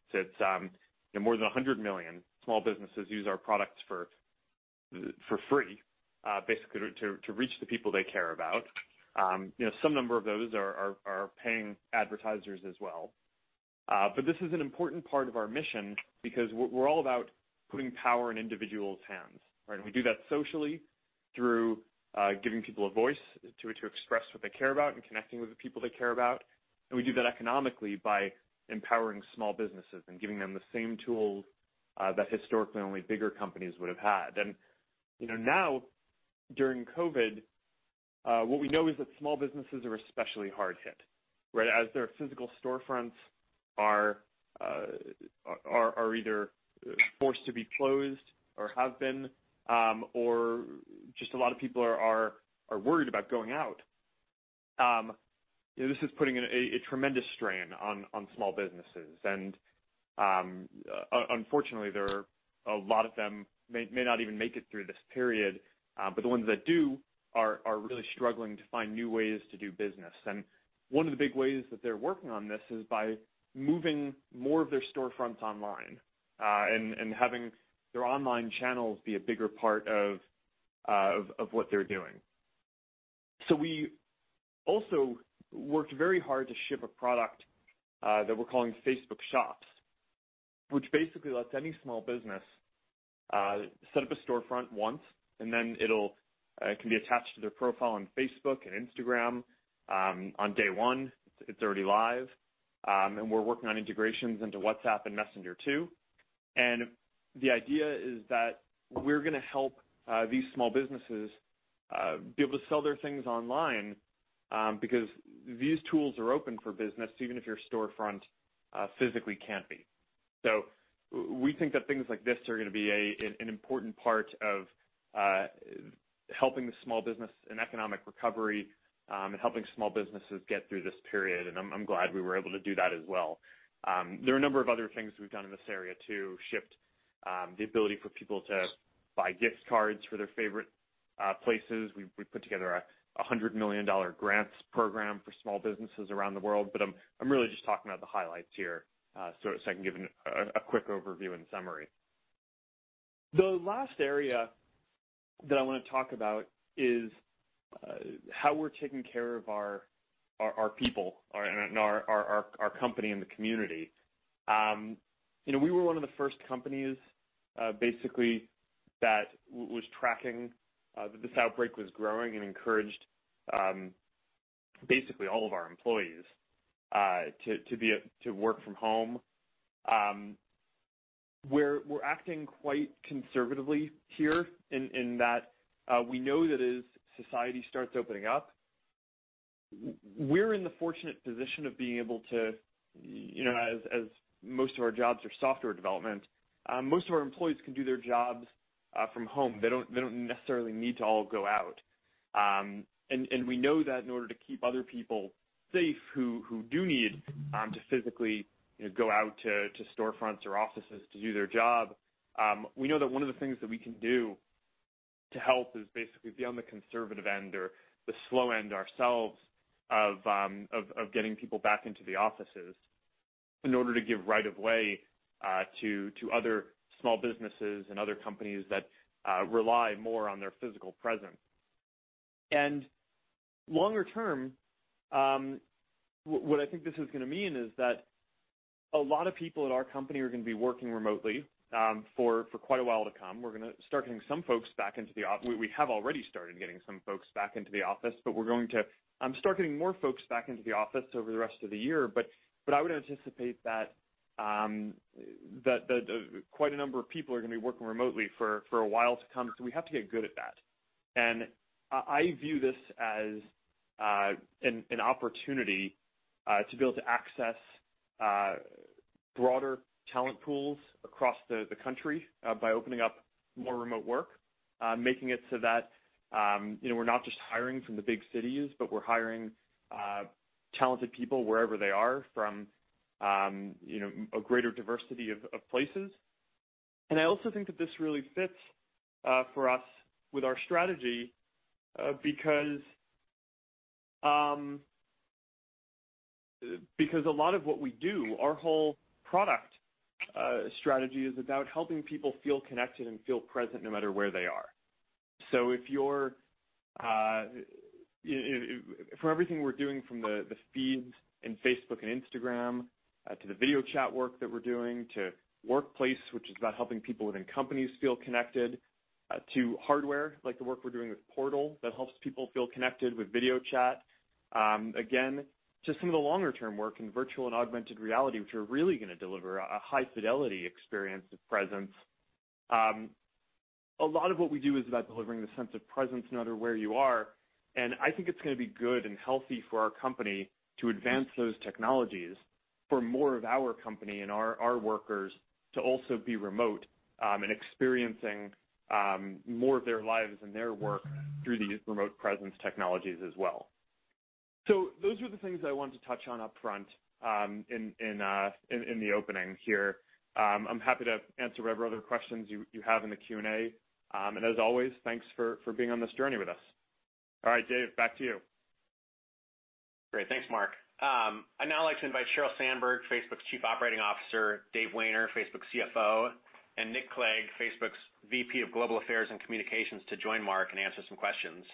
More than 100 million small businesses use our products for free basically to reach the people they care about. Some number of those are paying advertisers as well. This is an important part of our mission because we're all about putting power in individuals' hands, right? We do that socially through giving people a voice to express what they care about and connecting with the people they care about. We do that economically by empowering small businesses and giving them the same tools that historically only bigger companies would've had. Now, during COVID, what we know is that small businesses are especially hard hit, right? As their physical storefronts are either forced to be closed or have been, or just a lot of people are worried about going out. This is putting a tremendous strain on small businesses. Unfortunately, a lot of them may not even make it through this period. The ones that do are really struggling to find new ways to do business. One of the big ways that they're working on this is by moving more of their storefronts online and having their online channels be a bigger part of what they're doing. We also worked very hard to ship a product that we're calling Facebook Shops, which basically lets any small business set up a storefront once, and then it can be attached to their profile on Facebook and Instagram. On day one, it's already live. We're working on integrations into WhatsApp and Messenger, too. The idea is that we're going to help these small businesses be able to sell their things online because these tools are open for business even if your storefront physically can't be. We think that things like this are going to be an important part of helping the small business and economic recovery, and helping small businesses get through this period, and I'm glad we were able to do that as well. There are a number of other things we've done in this area, too, shipped the ability for people to buy gift cards for their favorite places. We put together a $100 million grants program for small businesses around the world. I'm really just talking about the highlights here, so I can give a quick overview and summary. The last area that I want to talk about is how we're taking care of our people and our company in the community. We were one of the first companies, basically, that was tracking that this outbreak was growing and encouraged basically all of our employees to work from home. We're acting quite conservatively here in that we know that as society starts opening up, we're in the fortunate position of being able to, as most of our jobs are software development, most of our employees can do their jobs from home. They don't necessarily need to all go out. We know that in order to keep other people safe who do need to physically go out to storefronts or offices to do their job, we know that one of the things that we can do to help is basically be on the conservative end or the slow end ourselves of getting people back into the offices in order to give right of way to other small businesses and other companies that rely more on their physical presence. Longer term, what I think this is going to mean is that a lot of people at our company are going to be working remotely for quite a while to come. We're going to start getting some folks back into the office. We have already started getting some folks back into the office, but we're going to start getting more folks back into the office over the rest of the year. I would anticipate that quite a number of people are going to be working remotely for a while to come. We have to get good at that. I view this as an opportunity to be able to access broader talent pools across the country by opening up more remote work, making it so that we're not just hiring from the big cities, but we're hiring talented people wherever they are from a greater diversity of places. I also think that this really fits for us with our strategy because a lot of what we do, our whole product strategy is about helping people feel connected and feel present no matter where they are. For everything we're doing, from the feeds in Facebook and Instagram, to the video chat work that we're doing, to Workplace, which is about helping people within companies feel connected, to hardware, like the work we're doing with Portal, that helps people feel connected with video chat. Again, to some of the longer-term work in virtual and augmented reality, which are really going to deliver a high-fidelity experience of presence. A lot of what we do is about delivering the sense of presence no matter where you are, and I think it's going to be good and healthy for our company to advance those technologies for more of our company and our workers to also be remote and experiencing more of their lives and their work through these remote presence technologies as well. Those are the things I wanted to touch on upfront in the opening here. I'm happy to answer whatever other questions you have in the Q&A. As always, thanks for being on this journey with us. All right, Dave, back to you. Great. Thanks, Mark. I'd now like to invite Sheryl Sandberg, Facebook's Chief Operating Officer, Dave Wehner, Facebook's CFO, and Nick Clegg, Facebook's VP of Global Affairs and Communications, to join Mark and answer some questions.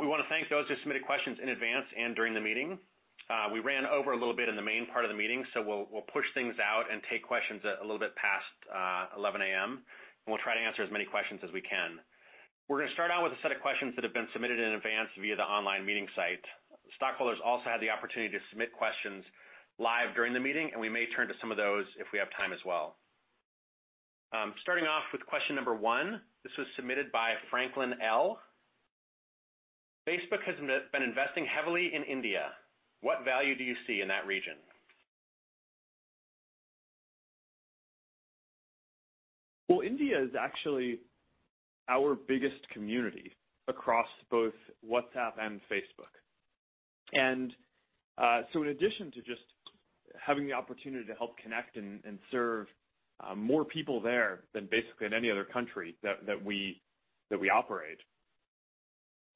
We want to thank those who submitted questions in advance and during the meeting. We ran over a little bit in the main part of the meeting, so we'll push things out and take questions a little bit past 11:00 A.M., and we'll try to answer as many questions as we can. We're going to start out with a set of questions that have been submitted in advance via the online meeting site. Stockholders also had the opportunity to submit questions live during the meeting, and we may turn to some of those if we have time as well. Starting off with question number one, this was submitted by Franklin L. Facebook has been investing heavily in India. What value do you see in that region? Well, India is actually our biggest community across both WhatsApp and Facebook. In addition to just having the opportunity to help connect and serve more people there than basically in any other country that we operate,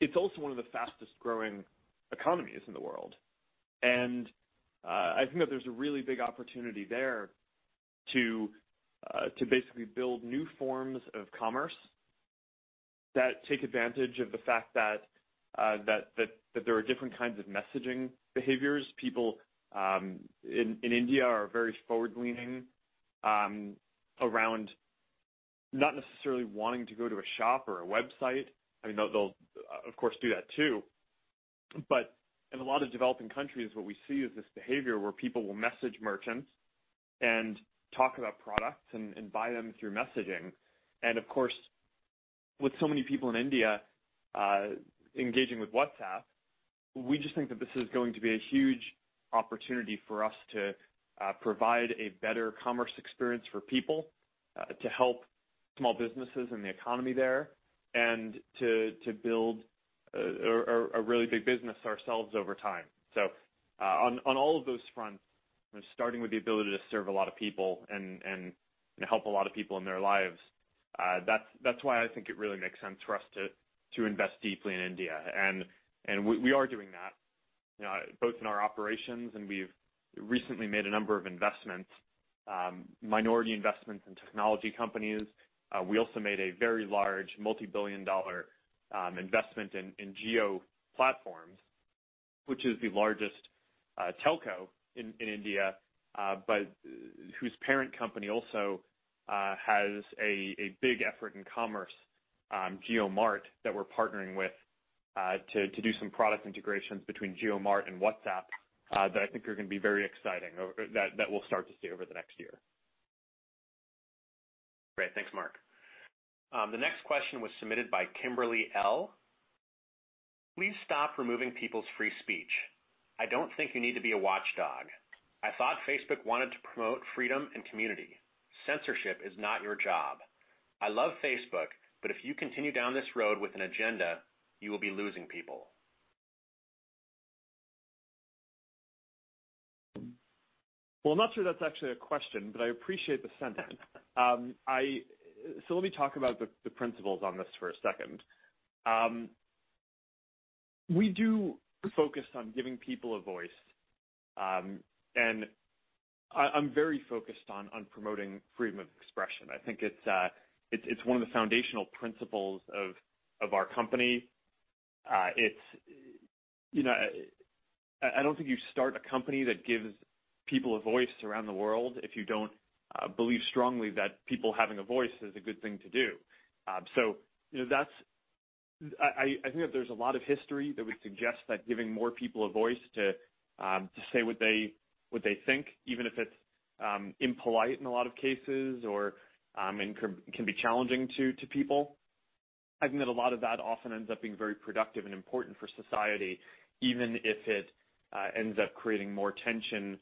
it's also one of the fastest-growing economies in the world. I think that there's a really big opportunity there to basically build new forms of commerce that take advantage of the fact that there are different kinds of messaging behaviors. People in India are very forward-leaning around not necessarily wanting to go to a shop or a website. They'll, of course, do that too. In a lot of developing countries, what we see is this behavior where people will message merchants and talk about products and buy them through messaging. Of course, with so many people in India engaging with WhatsApp, we just think that this is going to be a huge opportunity for us to provide a better commerce experience for people, to help small businesses and the economy there, and to build a really big business ourselves over time. On all of those fronts, starting with the ability to serve a lot of people and help a lot of people in their lives, that's why I think it really makes sense for us to invest deeply in India. We are doing that, both in our operations, and we've recently made a number of investments, minority investments in technology companies. We also made a very large multi-billion-dollar investment in Jio Platforms, which is the largest telco in India, whose parent company also has a big effort in commerce, JioMart, that we're partnering with to do some product integrations between JioMart and WhatsApp that I think are going to be very exciting, that we'll start to see over the next year. Great. Thanks, Mark. The next question was submitted by Kimberly L. Please stop removing people's free speech. I don't think you need to be a watchdog. I thought Facebook wanted to promote freedom and community. Censorship is not your job. I love Facebook, but if you continue down this road with an agenda, you will be losing people. Well, I'm not sure that's actually a question, but I appreciate the sentiment. Let me talk about the principles on this for a second. We do focus on giving people a voice. I'm very focused on promoting freedom of expression. I think it's one of the foundational principles of our company. I don't think you start a company that gives people a voice around the world if you don't believe strongly that people having a voice is a good thing to do. I think that there's a lot of history that would suggest that giving more people a voice to say what they think, even if it's impolite in a lot of cases or can be challenging to people. I think that a lot of that often ends up being very productive and important for society, even if it ends up creating more tension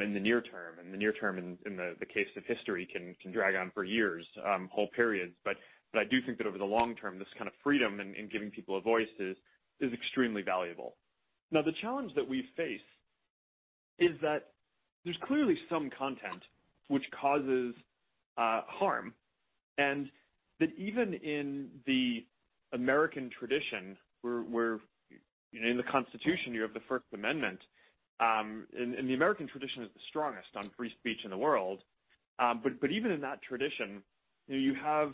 in the near term, and the near term in the case of history can drag on for years, whole periods. I do think that over the long term, this kind of freedom and giving people a voice is extremely valuable. Now, the challenge that we face is that there's clearly some content which causes harm, and that even in the American tradition, in the Constitution, you have the First Amendment. The American tradition is the strongest on free speech in the world. Even in that tradition, you have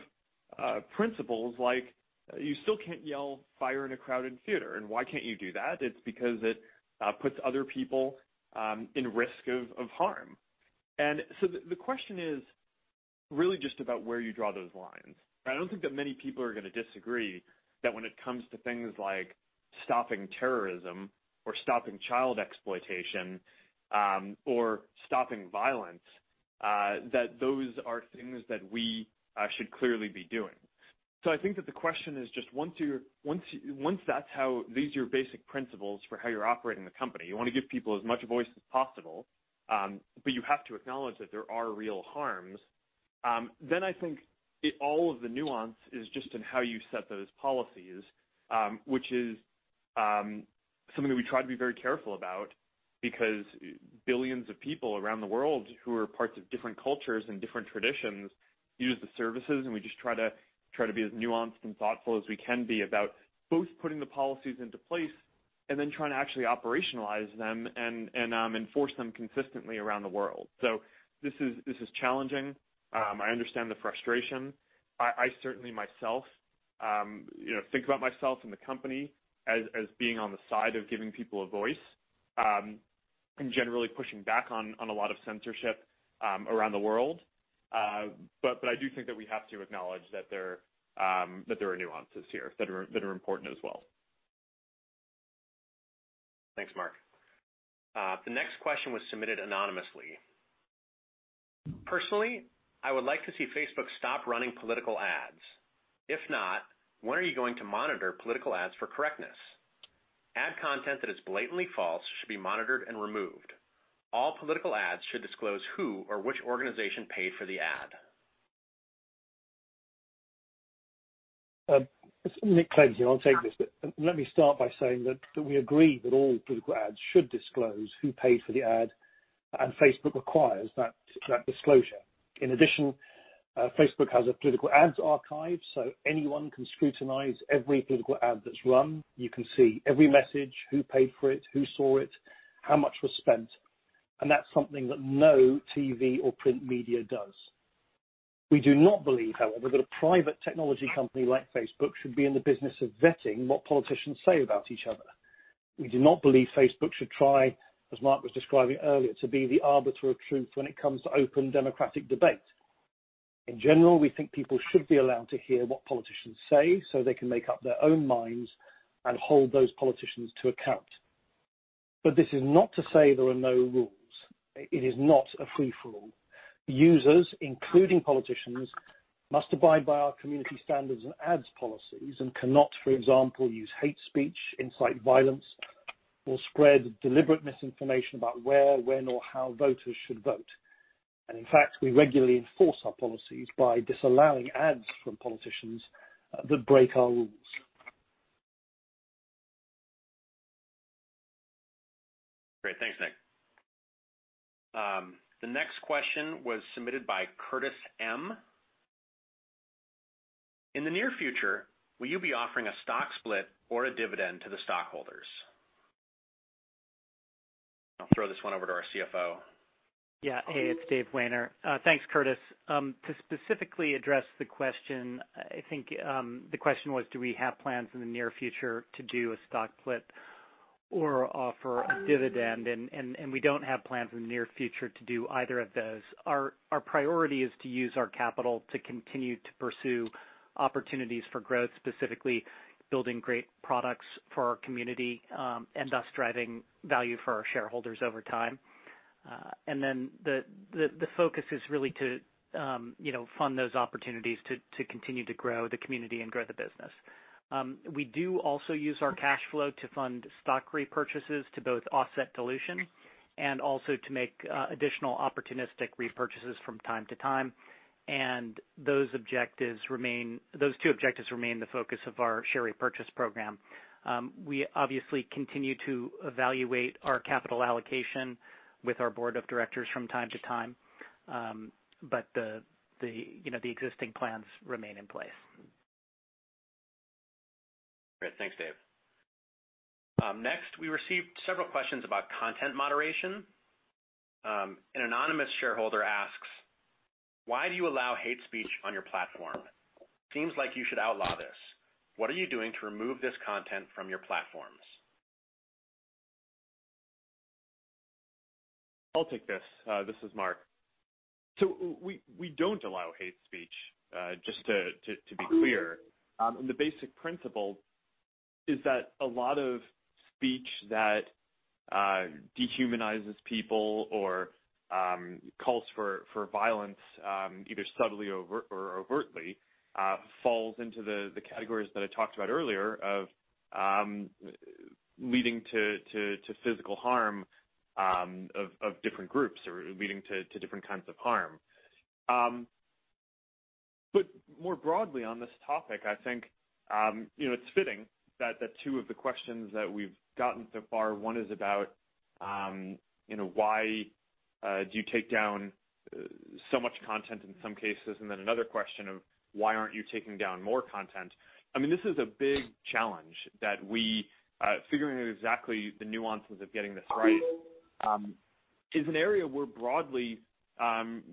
principles like you still can't yell fire in a crowded theater. Why can't you do that? It's because it puts other people in risk of harm. The question is really just about where you draw those lines. I don't think that many people are going to disagree that when it comes to things like stopping terrorism or stopping child exploitation or stopping violence, that those are things that we should clearly be doing. I think that the question is just once these are your basic principles for how you're operating the company, you want to give people as much voice as possible, but you have to acknowledge that there are real harms. I think all of the nuance is just in how you set those policies, which is something that we try to be very careful about because billions of people around the world who are parts of different cultures and different traditions use the services, and we just try to be as nuanced and thoughtful as we can be about both putting the policies into place and then trying to actually operationalize them and enforce them consistently around the world. This is challenging. I understand the frustration. I certainly myself think about myself and the company as being on the side of giving people a voice, and generally pushing back on a lot of censorship around the world. I do think that we have to acknowledge that there are nuances here that are important as well. Thanks, Mark. The next question was submitted anonymously. "Personally, I would like to see Facebook stop running political ads. If not, when are you going to monitor political ads for correctness? Ad content that is blatantly false should be monitored and removed. All political ads should disclose who or which organization paid for the ad. It's Nick Clegg here. I'll take this bit. Let me start by saying that we agree that all political ads should disclose who paid for the ad. Facebook requires that disclosure. In addition, Facebook has a political ads archive, so anyone can scrutinize every political ad that's run. You can see every message, who paid for it, who saw it, how much was spent. That's something that no TV or print media does. We do not believe, however, that a private technology company like Facebook should be in the business of vetting what politicians say about each other. We do not believe Facebook should try, as Mark was describing earlier, to be the arbiter of truth when it comes to open democratic debate. In general, we think people should be allowed to hear what politicians say so they can make up their own minds and hold those politicians to account. This is not to say there are no rules. It is not a free-for-all. Users, including politicians, must abide by our community standards and ads policies and cannot, for example, use hate speech, incite violence, or spread deliberate misinformation about where, when, or how voters should vote. In fact, we regularly enforce our policies by disallowing ads from politicians that break our rules. Great. Thanks, Nick. The next question was submitted by Curtis M. "In the near future, will you be offering a stock split or a dividend to the stockholders?" I'll throw this one over to our CFO. It's Dave Wehner. Thanks, Curtis. To specifically address the question, I think the question was do we have plans in the near future to do a stock split or offer a dividend, we don't have plans in the near future to do either of those. Our priority is to use our capital to continue to pursue opportunities for growth, specifically building great products for our community, and thus driving value for our shareholders over time. The focus is really to fund those opportunities to continue to grow the community and grow the business. We do also use our cash flow to fund stock repurchases to both offset dilution and also to make additional opportunistic repurchases from time to time. Those two objectives remain the focus of our share repurchase program. We obviously continue to evaluate our capital allocation with our board of directors from time to time. The existing plans remain in place. Great. Thanks, Dave. Next, we received several questions about content moderation. An anonymous shareholder asks: Why do you allow hate speech on your platform? Seems like you should outlaw this. What are you doing to remove this content from your platforms? I'll take this. This is Mark. We don't allow hate speech, just to be clear. The basic principle is that a lot of speech that dehumanizes people or calls for violence, either subtly or overtly, falls into the categories that I talked about earlier of leading to physical harm of different groups, or leading to different kinds of harm. More broadly on this topic, I think it's fitting that two of the questions that we've gotten so far, one is about why do you take down so much content in some cases, and then another question of why aren't you taking down more content? This is a big challenge figuring out exactly the nuances of getting this right is an area where broadly,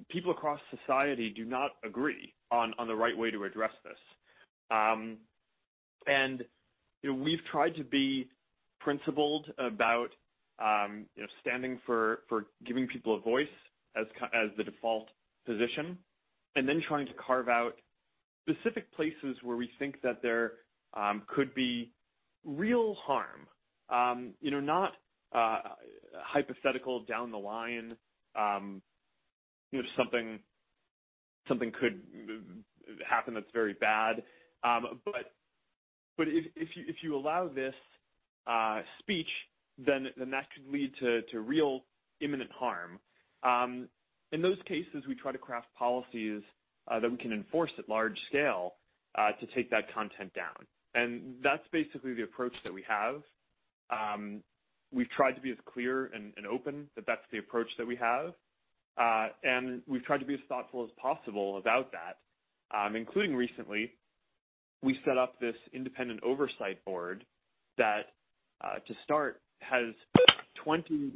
people across society do not agree on the right way to address this. We've tried to be principled about standing for giving people a voice as the default position, and then trying to carve out specific places where we think that there could be real harm. Not hypothetical down the line, something could happen that's very bad. If you allow this speech, then that could lead to real imminent harm. In those cases, we try to craft policies that we can enforce at large scale to take that content down. That's basically the approach that we have. We've tried to be as clear and open that that's the approach that we have. We've tried to be as thoughtful as possible about that, including recently, we set up this independent oversight board that, to start, has 20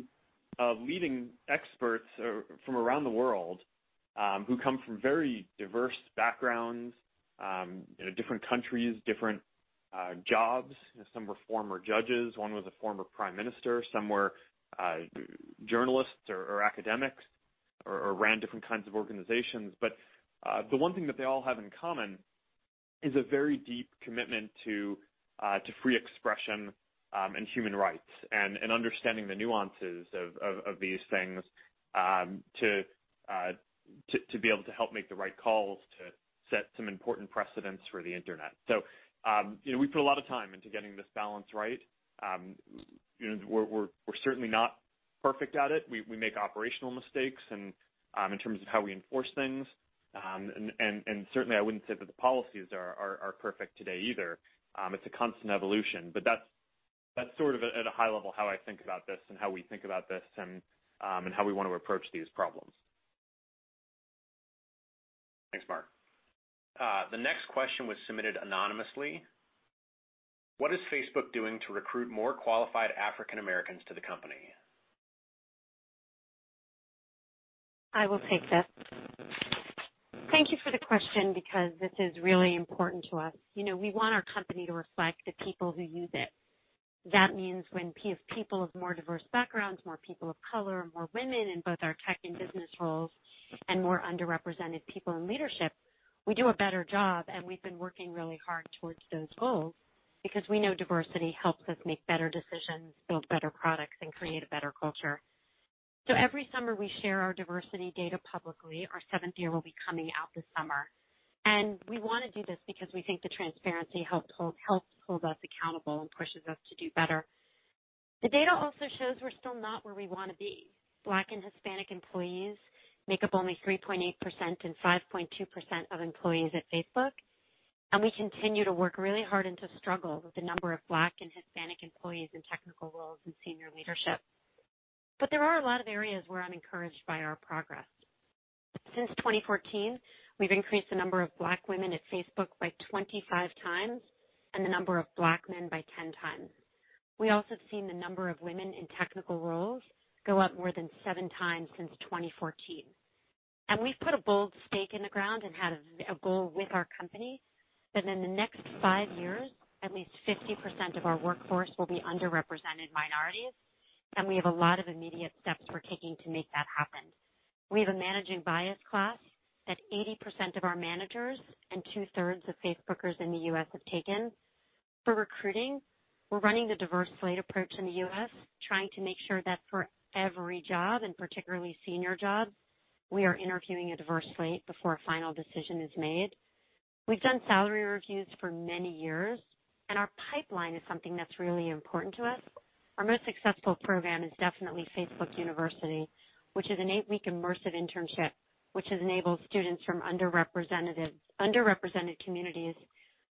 leading experts from around the world, who come from very diverse backgrounds, different countries, different jobs. Some were former judges, one was a former prime minister, some were journalists or academics, or ran different kinds of organizations. The one thing that they all have in common is a very deep commitment to free expression and human rights and understanding the nuances of these things to be able to help make the right calls to set some important precedents for the Internet. We put a lot of time into getting this balance right. We're certainly not perfect at it. We make operational mistakes in terms of how we enforce things. Certainly, I wouldn't say that the policies are perfect today either. It's a constant evolution. That's sort of at a high level how I think about this and how we think about this and how we want to approach these problems. Thanks, Mark. The next question was submitted anonymously. What is Facebook doing to recruit more qualified African Americans to the company? I will take this. Thank you for the question because this is really important to us. We want our company to reflect the people who use it. That means when people of more diverse backgrounds, more people of color, more women in both our tech and business roles, and more underrepresented people in leadership, we do a better job, and we've been working really hard towards those goals because we know diversity helps us make better decisions, build better products, and create a better culture. Every summer, we share our diversity data publicly. Our seventh year will be coming out this summer. We want to do this because we think the transparency helps hold us accountable and pushes us to do better. The data also shows we're still not where we want to be. Black and Hispanic employees make up only 3.8% and 5.2% of employees at Facebook. We continue to work really hard and to struggle with the number of Black and Hispanic employees in technical roles and senior leadership. There are a lot of areas where I'm encouraged by our progress. Since 2014, we've increased the number of Black women at Facebook by 25x and the number of Black men by 10x. We also have seen the number of women in technical roles go up more than 7x since 2014. We've put a bold stake in the ground and have a goal with our company that in the next five years, at least 50% of our workforce will be underrepresented minorities, and we have a lot of immediate steps we're taking to make that happen. We have a managing bias class that 80% of our managers and 2/3 of Facebookers in the U.S. have taken. For recruiting, we're running the diverse slate approach in the U.S., trying to make sure that for every job, and particularly senior jobs, we are interviewing a diverse slate before a final decision is made. We've done salary reviews for many years, and our pipeline is something that's really important to us. Our most successful program is definitely Facebook University, which is an eight-week immersive internship, which has enabled students from underrepresented communities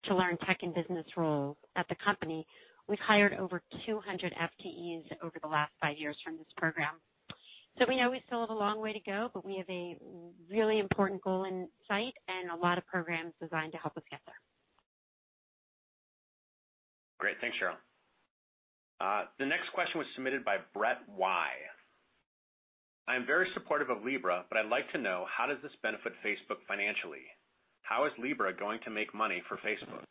to learn tech and business roles at the company. We've hired over 200 FTEs over the last five years from this program. We know we still have a long way to go, but we have a really important goal in sight and a lot of programs designed to help us get there. Great. Thanks, Sheryl. The next question was submitted by Brett Y. "I am very supportive of Libra, but I'd like to know how does this benefit Facebook financially? How is Libra going to make money for Facebook?"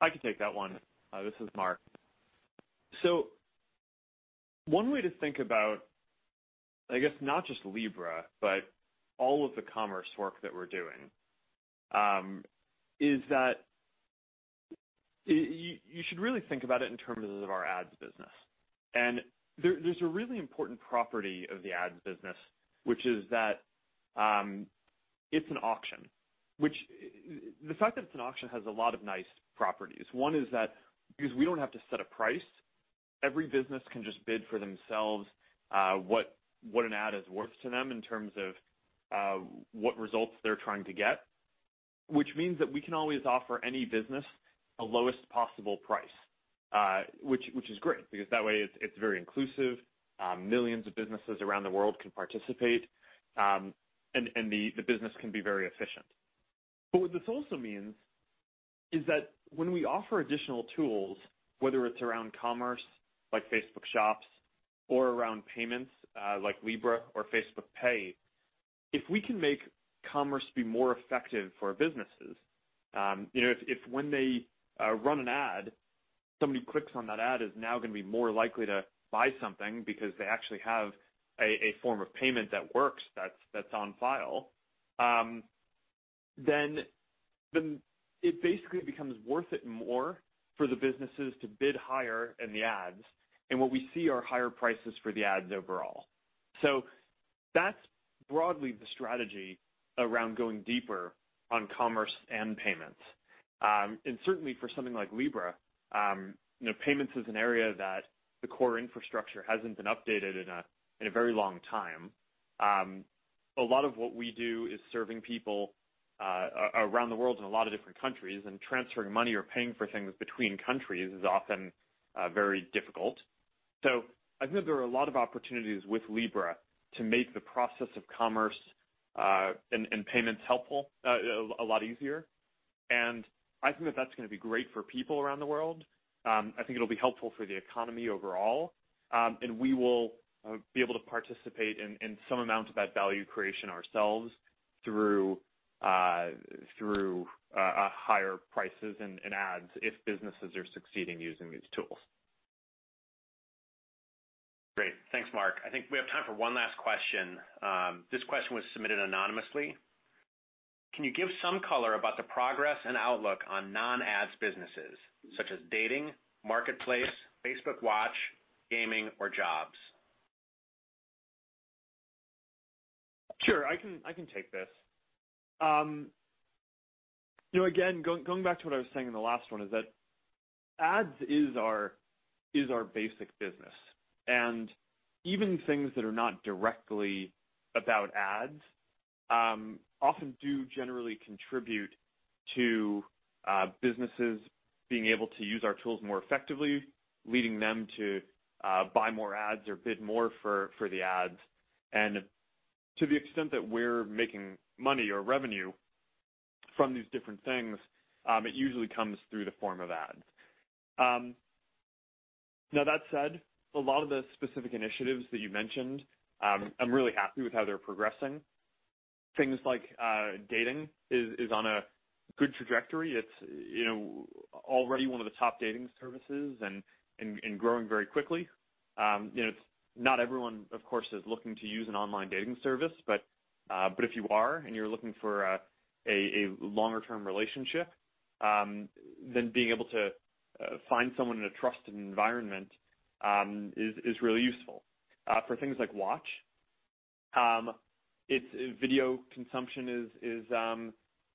I can take that one. This is Mark. One way to think about, I guess, not just Libra, but all of the commerce work that we're doing, is that you should really think about it in terms of our ads business. There's a really important property of the ads business, which is that it's an auction. Which the fact that it's an auction has a lot of nice properties. One is that because we don't have to set a price, every business can just bid for themselves what an ad is worth to them in terms of what results they're trying to get, which means that we can always offer any business the lowest possible price which is great because that way it's very inclusive. Millions of businesses around the world can participate. The business can be very efficient. What this also means is that when we offer additional tools, whether it's around commerce, like Facebook Shops or around payments, like Libra or Facebook Pay, if we can make commerce be more effective for businesses, if when they run an ad, somebody who clicks on that ad is now going to be more likely to buy something because they actually have a form of payment that works that's on file, then it basically becomes worth it more for the businesses to bid higher in the ads. What we see are higher prices for the ads overall. That's broadly the strategy around going deeper on commerce and payments. Certainly for something like Libra, payments is an area that the core infrastructure hasn't been updated in a very long time. A lot of what we do is serving people around the world in a lot of different countries, and transferring money or paying for things between countries is often very difficult. I think there are a lot of opportunities with Libra to make the process of commerce, and payments helpful, a lot easier, and I think that that's going to be great for people around the world. I think it'll be helpful for the economy overall. We will be able to participate in some amount of that value creation ourselves through higher prices and ads if businesses are succeeding using these tools. Great. Thanks, Mark. I think we have time for one last question. This question was submitted anonymously. "Can you give some color about the progress and outlook on non-ads businesses such as Dating, Marketplace, Facebook Watch, Gaming, or Jobs?" Sure. I can take this. Again, going back to what I was saying in the last one, is that ads is our basic business. Even things that are not directly about ads, often do generally contribute to businesses being able to use our tools more effectively, leading them to buy more ads or bid more for the ads. To the extent that we're making money or revenue from these different things, it usually comes through the form of ads. Now, that said, a lot of the specific initiatives that you mentioned, I'm really happy with how they're progressing. Things like Dating is on a good trajectory. It's already one of the top dating services and growing very quickly. Not everyone, of course, is looking to use an online dating service. If you are and you're looking for a longer-term relationship, then being able to find someone in a trusted environment is really useful. For things like Watch, video consumption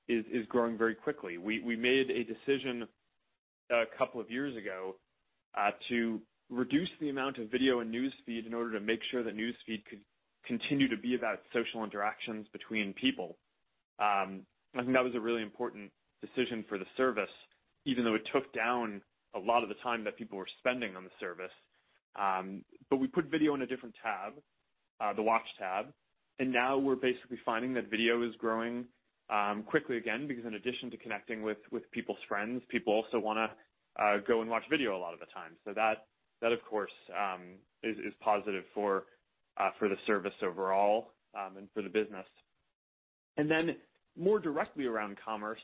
is growing very quickly. We made a decision a couple of years ago to reduce the amount of video in News Feed in order to make sure that News Feed could continue to be about social interactions between people. I think that was a really important decision for the service, even though it took down a lot of the time that people were spending on the service. We put video in a different tab, the Watch tab, and now we're basically finding that video is growing quickly again, because in addition to connecting with people's friends, people also want to go and watch video a lot of the time. That, of course, is positive for the service overall, and for the business. More directly around commerce,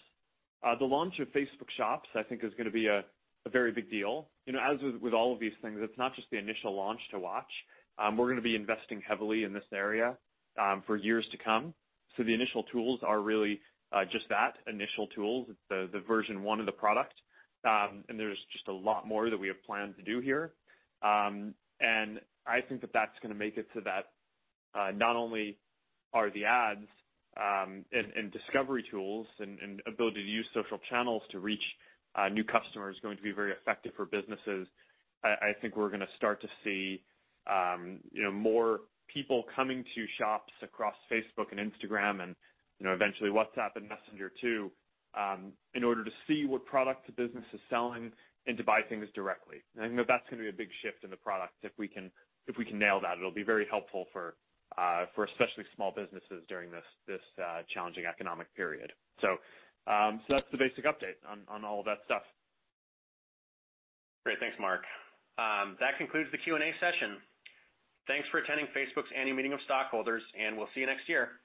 the launch of Facebook Shops, I think is going to be a very big deal. As with all of these things, it's not just the initial launch to watch. We're going to be investing heavily in this area for years to come. The initial tools are really just that, initial tools. It's the version one of the product. There's just a lot more that we have planned to do here. I think that's going to make it so that not only are the ads and discovery tools and ability to use social channels to reach new customers going to be very effective for businesses. I think we're going to start to see more people coming to Shops across Facebook and Instagram and eventually WhatsApp and Messenger too, in order to see what products a business is selling and to buy things directly. I think that's going to be a big shift in the product if we can nail that. It'll be very helpful for especially small businesses during this challenging economic period. That's the basic update on all of that stuff. Great. Thanks, Mark. That concludes the Q&A session. Thanks for attending Facebook's Annual Meeting of Stockholders, and we'll see you next year.